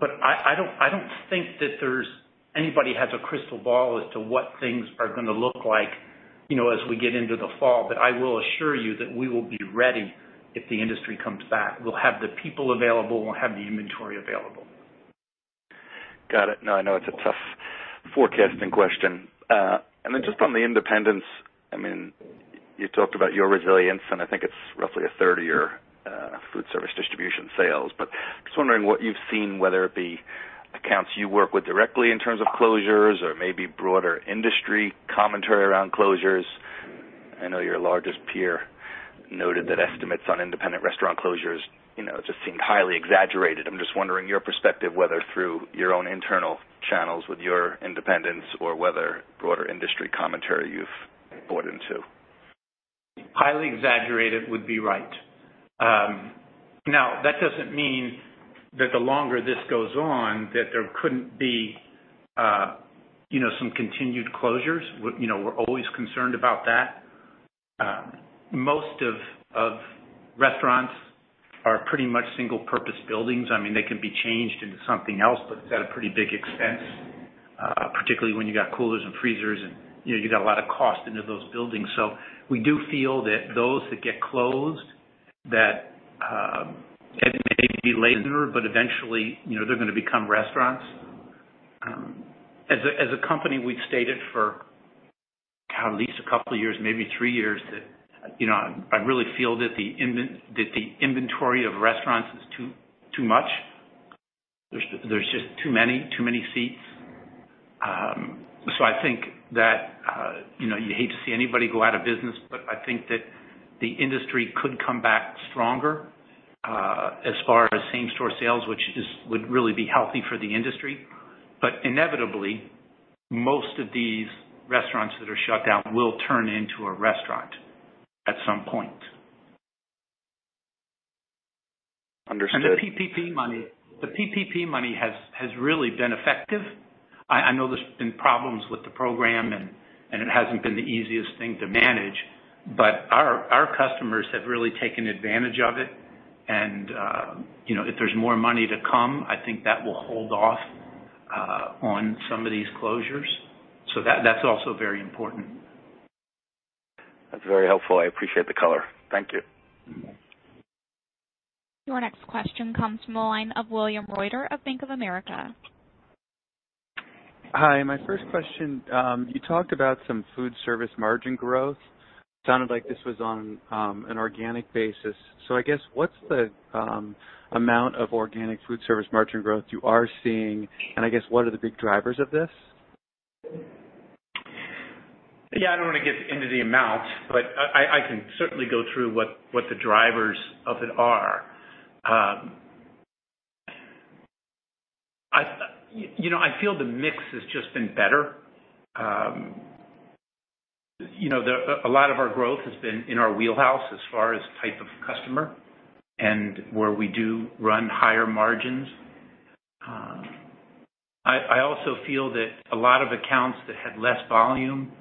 I don't think that there's anybody has a crystal ball as to what things are gonna look like, you know, as we get into the fall. I will assure you that we will be ready if the industry comes back. We'll have the people available, we'll have the inventory available. Got it. No, I know it's a tough forecasting question. And then just on the independents, I mean, you talked about your resilience, and I think it's roughly a third of your Foodservice distribution sales. But just wondering what you've seen, whether it be accounts you work with directly in terms of closures or maybe broader industry commentary around closures. I know your largest peer noted that estimates on independent restaurant closures, you know, just seem highly exaggerated. I'm just wondering your perspective, whether through your own internal channels with your independents or whether broader industry commentary you've bought into. Highly exaggerated would be right. Now, that doesn't mean that the longer this goes on, that there couldn't be, you know, some continued closures. You know, we're always concerned about that. Most of restaurants are pretty much single-purpose buildings. I mean, they can be changed into something else, but it's at a pretty big expense, particularly when you got coolers and freezers and, you know, you got a lot of cost into those buildings. So we do feel that those that get closed, that, it may be later, but eventually, you know, they're gonna become restaurants. As a company, we've stated for at least a couple of years, maybe three years, that, you know, I really feel that the inventory of restaurants is too, too much. There's just too many, too many seats. I think that you know, you hate to see anybody go out of business, but I think that the industry could come back stronger, as far as same-store sales, which is, would really be healthy for the industry. But inevitably, most of these restaurants that are shut down will turn into a restaurant at some point. Understood. The PPP money has really been effective. I know there's been problems with the program, and it hasn't been the easiest thing to manage, but our customers have really taken advantage of it. And, you know, if there's more money to come, I think that will hold off on some of these closures. So that's also very important. That's very helpful. I appreciate the color. Thank you. Your next question comes from the line of William Reuter, of Bank of America. Hi, my first question, you talked about some Foodservice margin growth. Sounded like this was on an organic basis. So I guess, what's the amount of organic Foodservice margin growth you are seeing, and I guess, what are the big drivers of this? Yeah, I don't want to get into the amount, but I can certainly go through what the drivers of it are. You know, I feel the mix has just been better. You know, a lot of our growth has been in our wheelhouse as far as type of customer, and where we do run higher margins. I also feel that a lot of accounts that had less volume,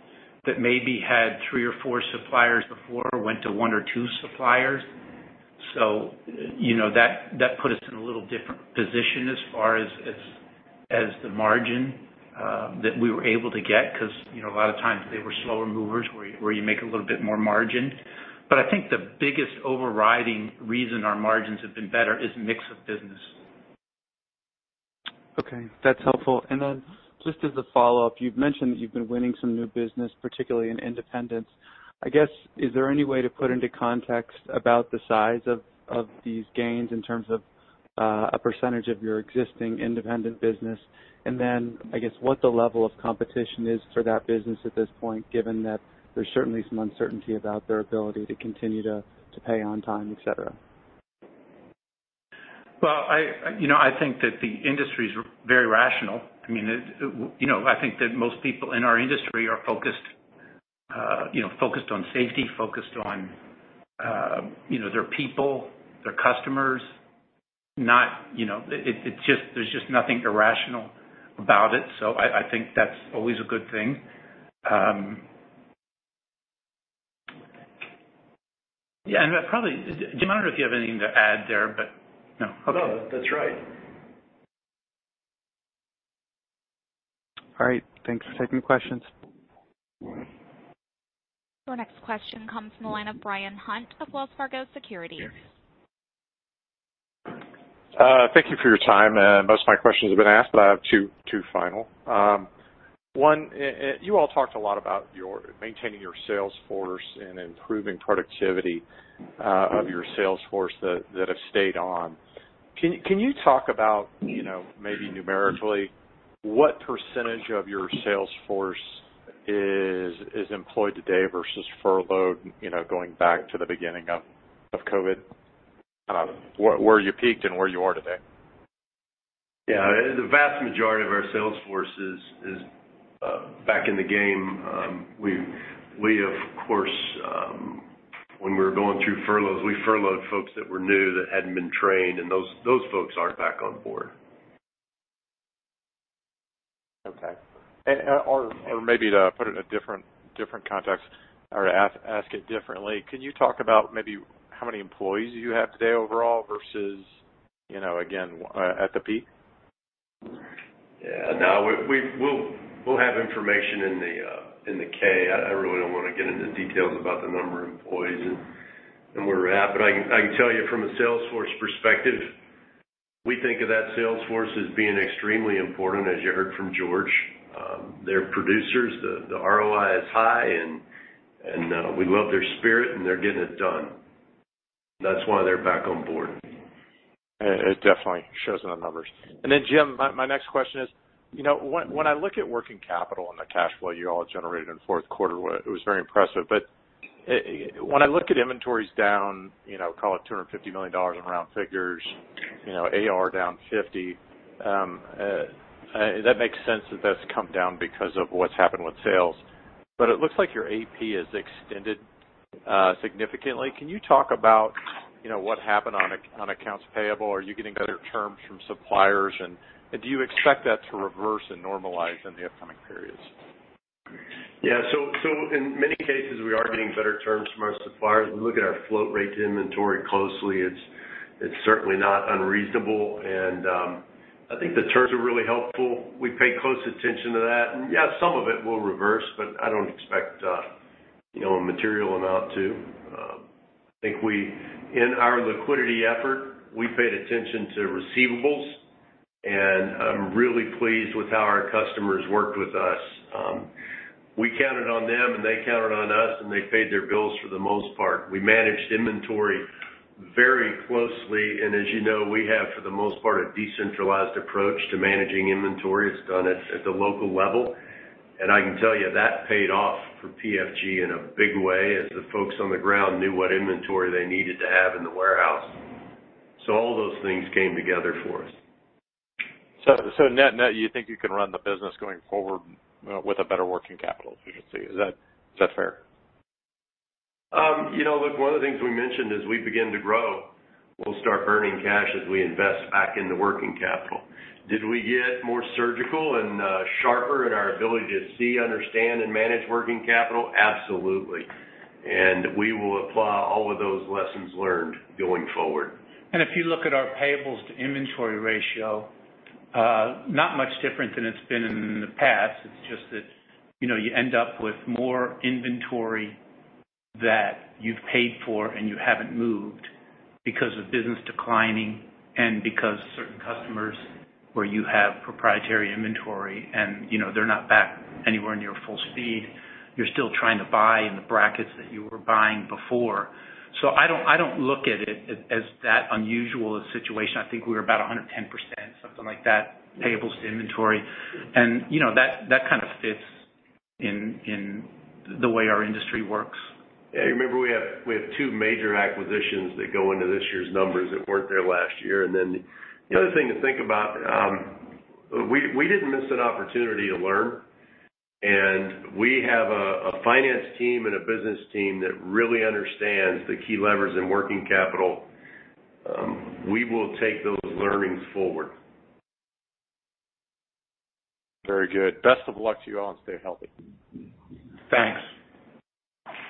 that maybe had three or four suppliers before, went to one or two suppliers. So, you know, that put us in a little different position as far as the margin that we were able to get, 'cause, you know, a lot of times they were slower movers, where you make a little bit more margin. But I think the biggest overriding reason our margins have been better is mix of business. Okay, that's helpful. Just as a follow-up, you've mentioned that you've been winning some new business, particularly in independents. I guess, is there any way to put into context about the size of these gains in terms of a percentage of your existing independent business? I guess, what the level of competition is for that business at this point, given that there's certainly some uncertainty about their ability to continue to pay on time, et cetera? Well, you know, I think that the industry's very rational. I mean, you know, I think that most people in our industry are focused, you know, focused on safety, focused on, you know, their people, their customers. Not, you know... It's just-- there's just nothing irrational about it. So I think that's always a good thing. Yeah, and probably, Jim, I don't know if you have anything to add there, but no. No, that's right. All right. Thanks for taking the questions. Your next question comes from the line of Brian Harbour of Wells Fargo Securities. Thank you for your time, and most of my questions have been asked, but I have two final. One, you all talked a lot about your maintaining your sales force and improving productivity of your sales force that have stayed on. Can you talk about, you know, maybe numerically, what percentage of your sales force is employed today versus furloughed, you know, going back to the beginning of COVID? Where you peaked and where you are today. Yeah. The vast majority of our sales force is back in the game. We, of course, when we were going through furloughs, we furloughed folks that were new, that hadn't been trained, and those folks aren't back on board. Okay. Maybe to put it in a different context or ask it differently, can you talk about maybe how many employees you have today overall versus, you know, again, at the peak? Yeah. No, we'll have information in the, in the K. I really don't want to get into details about the number of employees and where we're at. But I can tell you from a sales force perspective, we think of that sales force as being extremely important, as you heard from George. They're producers. The ROI is high, and we love their spirit, and they're getting it done. That's why they're back on board. It definitely shows in the numbers. And then, Jim, my next question is, you know, when I look at working capital and the cash flow you all generated in the fourth quarter, it was very impressive. But when I look at inventories down, you know, call it $250 million in round figures, you know, AR down $50 million, that makes sense that that's come down because of what's happened with sales. But it looks like your AP has extended significantly. Can you talk about, you know, what happened on accounts payable? Are you getting better terms from suppliers? And do you expect that to reverse and normalize in the upcoming periods? Yeah. So in many cases, we are getting better terms from our suppliers. We look at our float rate to inventory closely. It's certainly not unreasonable, and I think the terms are really helpful. We pay close attention to that. Yeah, some of it will reverse, but I don't expect, you know, a material amount to. I think we, in our liquidity effort, we paid attention to receivables, and I'm really pleased with how our customers worked with us. We counted on them, and they counted on us, and they paid their bills for the most part. We managed inventory very closely, and as you know, we have, for the most part, a decentralized approach to managing inventory. It's done at the local level, and I can tell you that paid off for PFG in a big way, as the folks on the ground knew what inventory they needed to have in the warehouse. So all those things came together for us. Net-net, you think you can run the business going forward with better working capital efficiency? Is that fair? You know, look, one of the things we mentioned, as we begin to grow, we'll start earning cash as we invest back into working capital. Did we get more surgical and sharper in our ability to see, understand, and manage working capital? Absolutely. And we will apply all of those lessons learned going forward. If you look at our payables to inventory ratio, not much different than it's been in the past. It's just that, you know, you end up with more inventory that you've paid for and you haven't moved because of business declining and because certain customers where you have proprietary inventory, and, you know, they're not back anywhere near full speed. You're still trying to buy in the brackets that you were buying before. So I don't, I don't look at it as, as that unusual a situation. I think we were about 110%, something like that, payables to inventory. And, you know, that, that kind of fits in, in the way our industry works. Yeah, you remember we had two major acquisitions that go into this year's numbers that weren't there last year. And then the other thing to think about, we didn't miss an opportunity to learn, and we have a finance team and a business team that really understands the key levers in working capital. We will take those learnings forward. Very good. Best of luck to you all, and stay healthy. Thanks.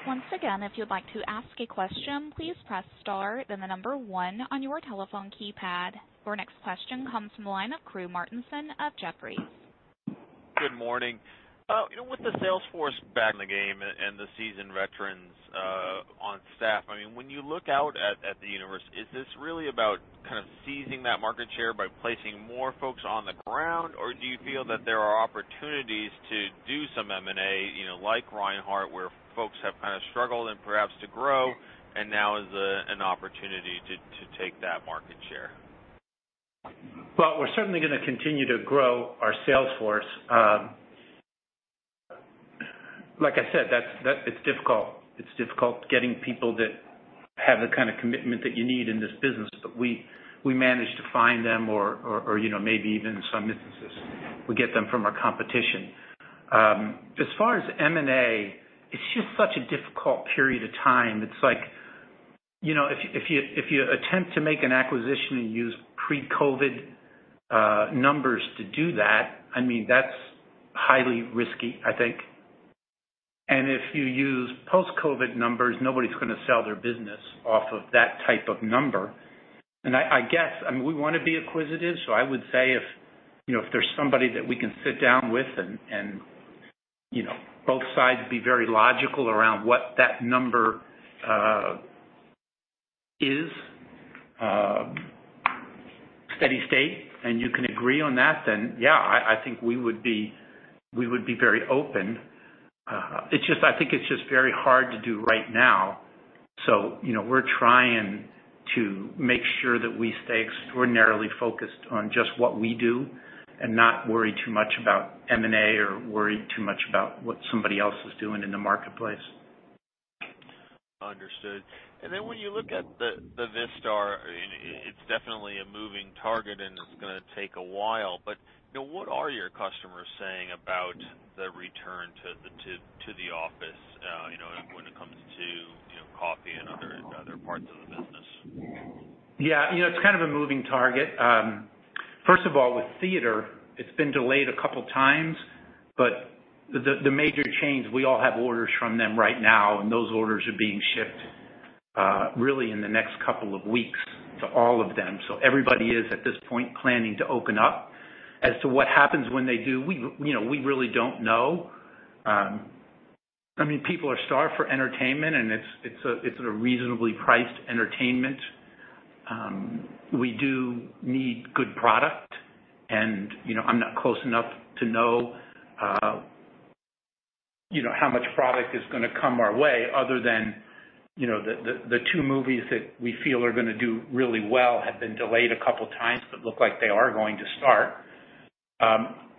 Once again, if you'd like to ask a question, please press star, then the number one on your telephone keypad. Your next question comes from the line of Chris Mandeville of Jefferies. Good morning. You know, with the sales force back in the game and the seasoned veterans on staff, I mean, when you look out at the universe, is this really about kind of seizing that market share by placing more folks on the ground? Or do you feel that there are opportunities to do some M&A, you know, like Reinhart, where folks have kind of struggled and perhaps to grow, and now is an opportunity to take that market share? Well, we're certainly gonna continue to grow our sales force. Like I said, that's difficult. It's difficult getting people that have the kind of commitment that you need in this business, but we managed to find them, you know, maybe even in some instances, we get them from our competition. As far as M&A, it's just such a difficult period of time. It's like, you know, if you attempt to make an acquisition and use pre-COVID numbers to do that, I mean, that's highly risky, I think. And if you use post-COVID numbers, nobody's gonna sell their business off of that type of number. I guess, I mean, we wanna be acquisitive, so I would say if, you know, if there's somebody that we can sit down with and, you know, both sides be very logical around what that number is steady state, and you can agree on that, then, yeah, I think we would be very open. It's just, I think, it's just very hard to do right now. So, you know, we're trying to make sure that we stay extraordinarily focused on just what we do and not worry too much about M&A or worry too much about what somebody else is doing in the marketplace. Understood. And then, when you look at the Vistar, it's definitely a moving target, and it's gonna take a while, but, you know, what are your customers saying about the return to the office, you know, when it comes to, you know, coffee and other parts of the business? Yeah, you know, it's kind of a moving target. First of all, with theater, it's been delayed a couple times, but the major chains, we all have orders from them right now, and those orders are being shipped really in the next couple of weeks to all of them. So everybody is, at this point, planning to open up. As to what happens when they do, we, you know, we really don't know. I mean, people are starved for entertainment, and it's a reasonably priced entertainment. We do need good product and, you know, I'm not close enough to know, you know, how much product is gonna come our way other than, you know, the two movies that we feel are gonna do really well have been delayed a couple of times, but look like they are going to start.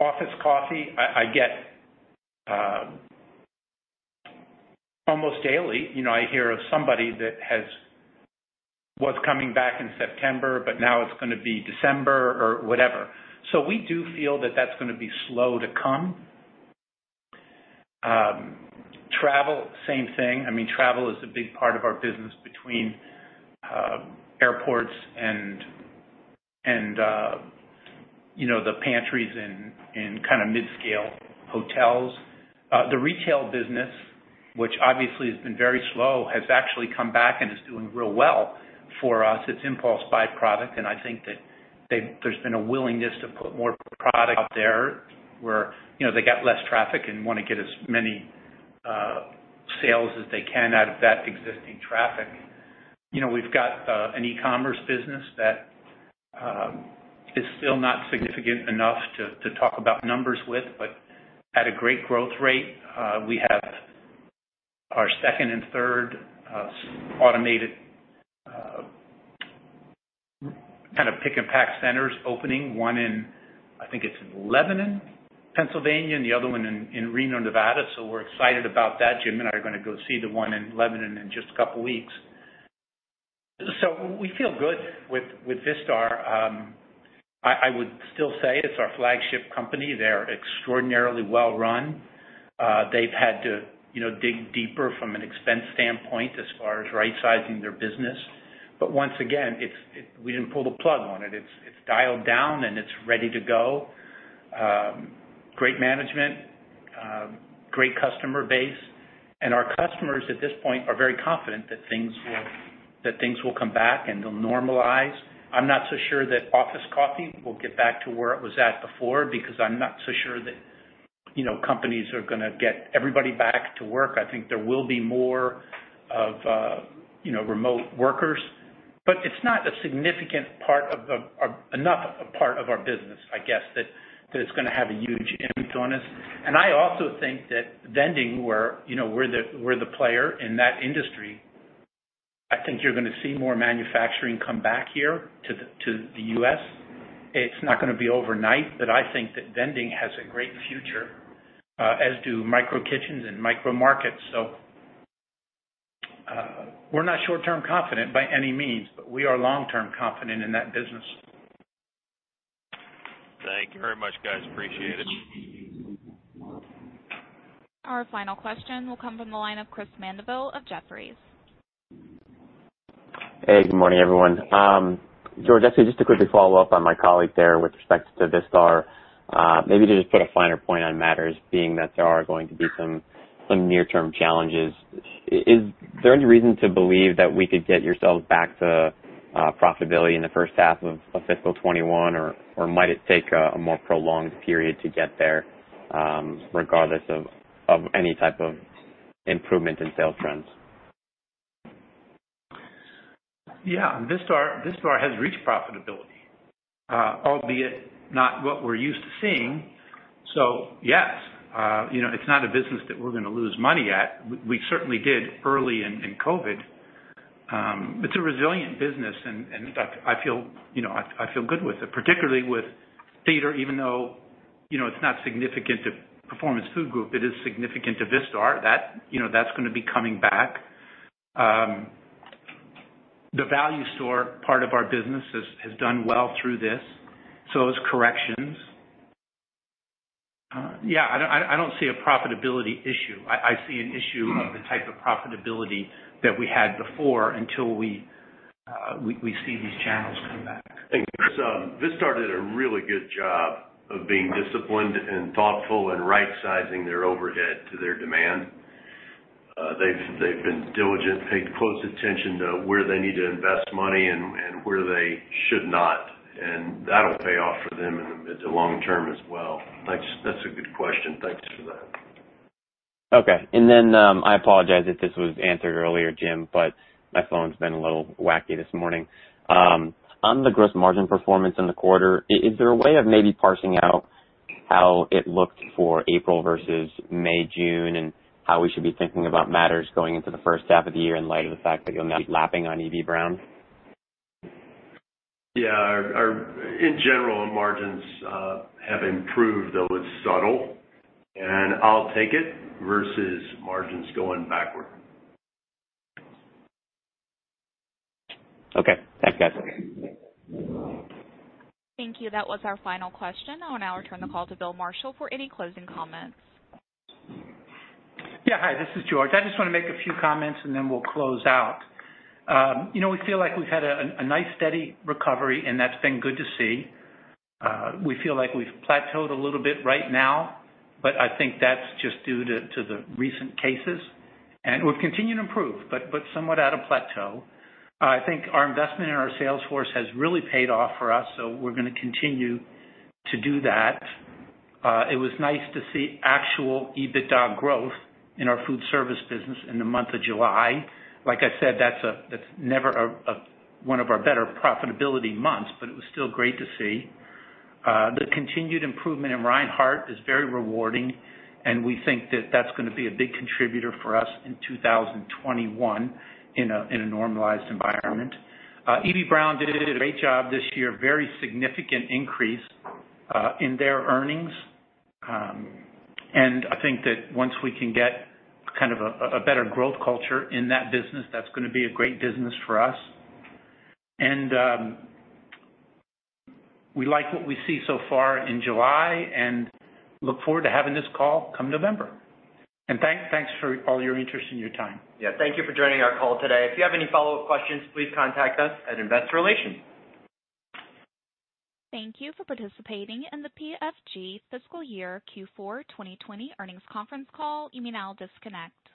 Office coffee, I get almost daily, you know, I hear of somebody that was coming back in September, but now it's gonna be December or whatever. So we do feel that that's gonna be slow to come. Travel, same thing. I mean, travel is a big part of our business between airports and, you know, the pantries in kind of mid-scale hotels. The retail business, which obviously has been very slow, has actually come back and is doing real well for us. It's impulse buy product, and I think that they've—there's been a willingness to put more product out there where, you know, they get less traffic and wanna get as many sales as they can out of that existing traffic. You know, we've got an e-commerce business. It's still not significant enough to talk about numbers with, but at a great growth rate. We have our second and third automated kind of pick and pack centers opening. One in, I think it's in Lebanon, Pennsylvania, and the other one in Reno, Nevada. So we're excited about that. Jim and I are gonna go see the one in Lebanon in just a couple weeks. So we feel good with Vistar. I would still say it's our flagship company. They're extraordinarily well run. They've had to, you know, dig deeper from an expense standpoint as far as right-sizing their business. But once again, it's we didn't pull the plug on it. It's dialed down, and it's ready to go. Great management, great customer base, and our customers at this point are very confident that things will, that things will come back and they'll normalize. I'm not so sure that office coffee will get back to where it was at before, because I'm not so sure that, you know, companies are gonna get everybody back to work. I think there will be more of, you know, remote workers. But it's not a significant part of, of enough a part of our business, I guess, that it's gonna have a huge impact on us. I also think that vending, we're, you know, we're the, we're the player in that industry. I think you're gonna see more manufacturing come back here to the, to the U.S. It's not gonna be overnight, but I think that vending has a great future, as do micro kitchens and micro markets. So, we're not short-term confident by any means, but we are long-term confident in that business. Thank you very much, guys. Appreciate it. Our final question will come from the line of Chris Mandeville of Jefferies. Hey, good morning, everyone. George, actually, just to quickly follow up on my colleague there with respect to Vistar, maybe to just put a finer point on matters, being that there are going to be some near-term challenges. Is there any reason to believe that we could get yourselves back to profitability in the first half of fiscal 2021, or might it take a more prolonged period to get there, regardless of any type of improvement in sales trends? Yeah. Vistar, Vistar has reached profitability, albeit not what we're used to seeing. So yes, you know, it's not a business that we're gonna lose money at. We certainly did early in COVID. It's a resilient business, and I feel, you know, I feel good with it, particularly with theater, even though, you know, it's not significant to Performance Food Group, it is significant to Vistar. That. You know, that's gonna be coming back. The value store part of our business has done well through this, so it's corrections. Yeah, I don't see a profitability issue. I see an issue of the type of profitability that we had before, until we see these channels come back. Thanks. Vistar did a really good job of being disciplined and thoughtful and right-sizing their overhead to their demand. They've been diligent, paid close attention to where they need to invest money and where they should not, and that'll pay off for them in the mid to long term as well. That's a good question. Thanks for that. Okay. Then, I apologize if this was answered earlier, Jim, but my phone's been a little wacky this morning. On the gross margin performance in the quarter, is there a way of maybe parsing out how it looked for April versus May, June? And how we should be thinking about matters going into the first half of the year, in light of the fact that you'll now be lapping on Eby-Brown? Yeah. Our, our... In general, margins have improved, though it's subtle, and I'll take it versus margins going backward. Okay. Thanks, guys. Thank you. That was our final question. I will now return the call to Bill Marshall for any closing comments. Yeah. Hi, this is George. I just wanna make a few comments, and then we'll close out. You know, we feel like we've had a nice, steady recovery, and that's been good to see. We feel like we've plateaued a little bit right now, but I think that's just due to the recent cases. And we've continued to improve, but somewhat at a plateau. I think our investment in our sales force has really paid off for us, so we're gonna continue to do that. It was nice to see actual EBITDA growth in our Foodservice business in the month of July. Like I said, that's never a one of our better profitability months, but it was still great to see. The continued improvement in Reinhart is very rewarding, and we think that that's gonna be a big contributor for us in 2021, in a normalized environment. Eby-Brown did a great job this year, very significant increase in their earnings. And I think that once we can get kind of a better growth culture in that business, that's gonna be a great business for us. We like what we see so far in July and look forward to having this call come November. Thanks for all your interest and your time. Yeah, thank you for joining our call today. If you have any follow-up questions, please contact us at Investor Relations. Thank you for participating in the PFG Fiscal Year Q4 2020 Earnings Conference Call. You may now disconnect.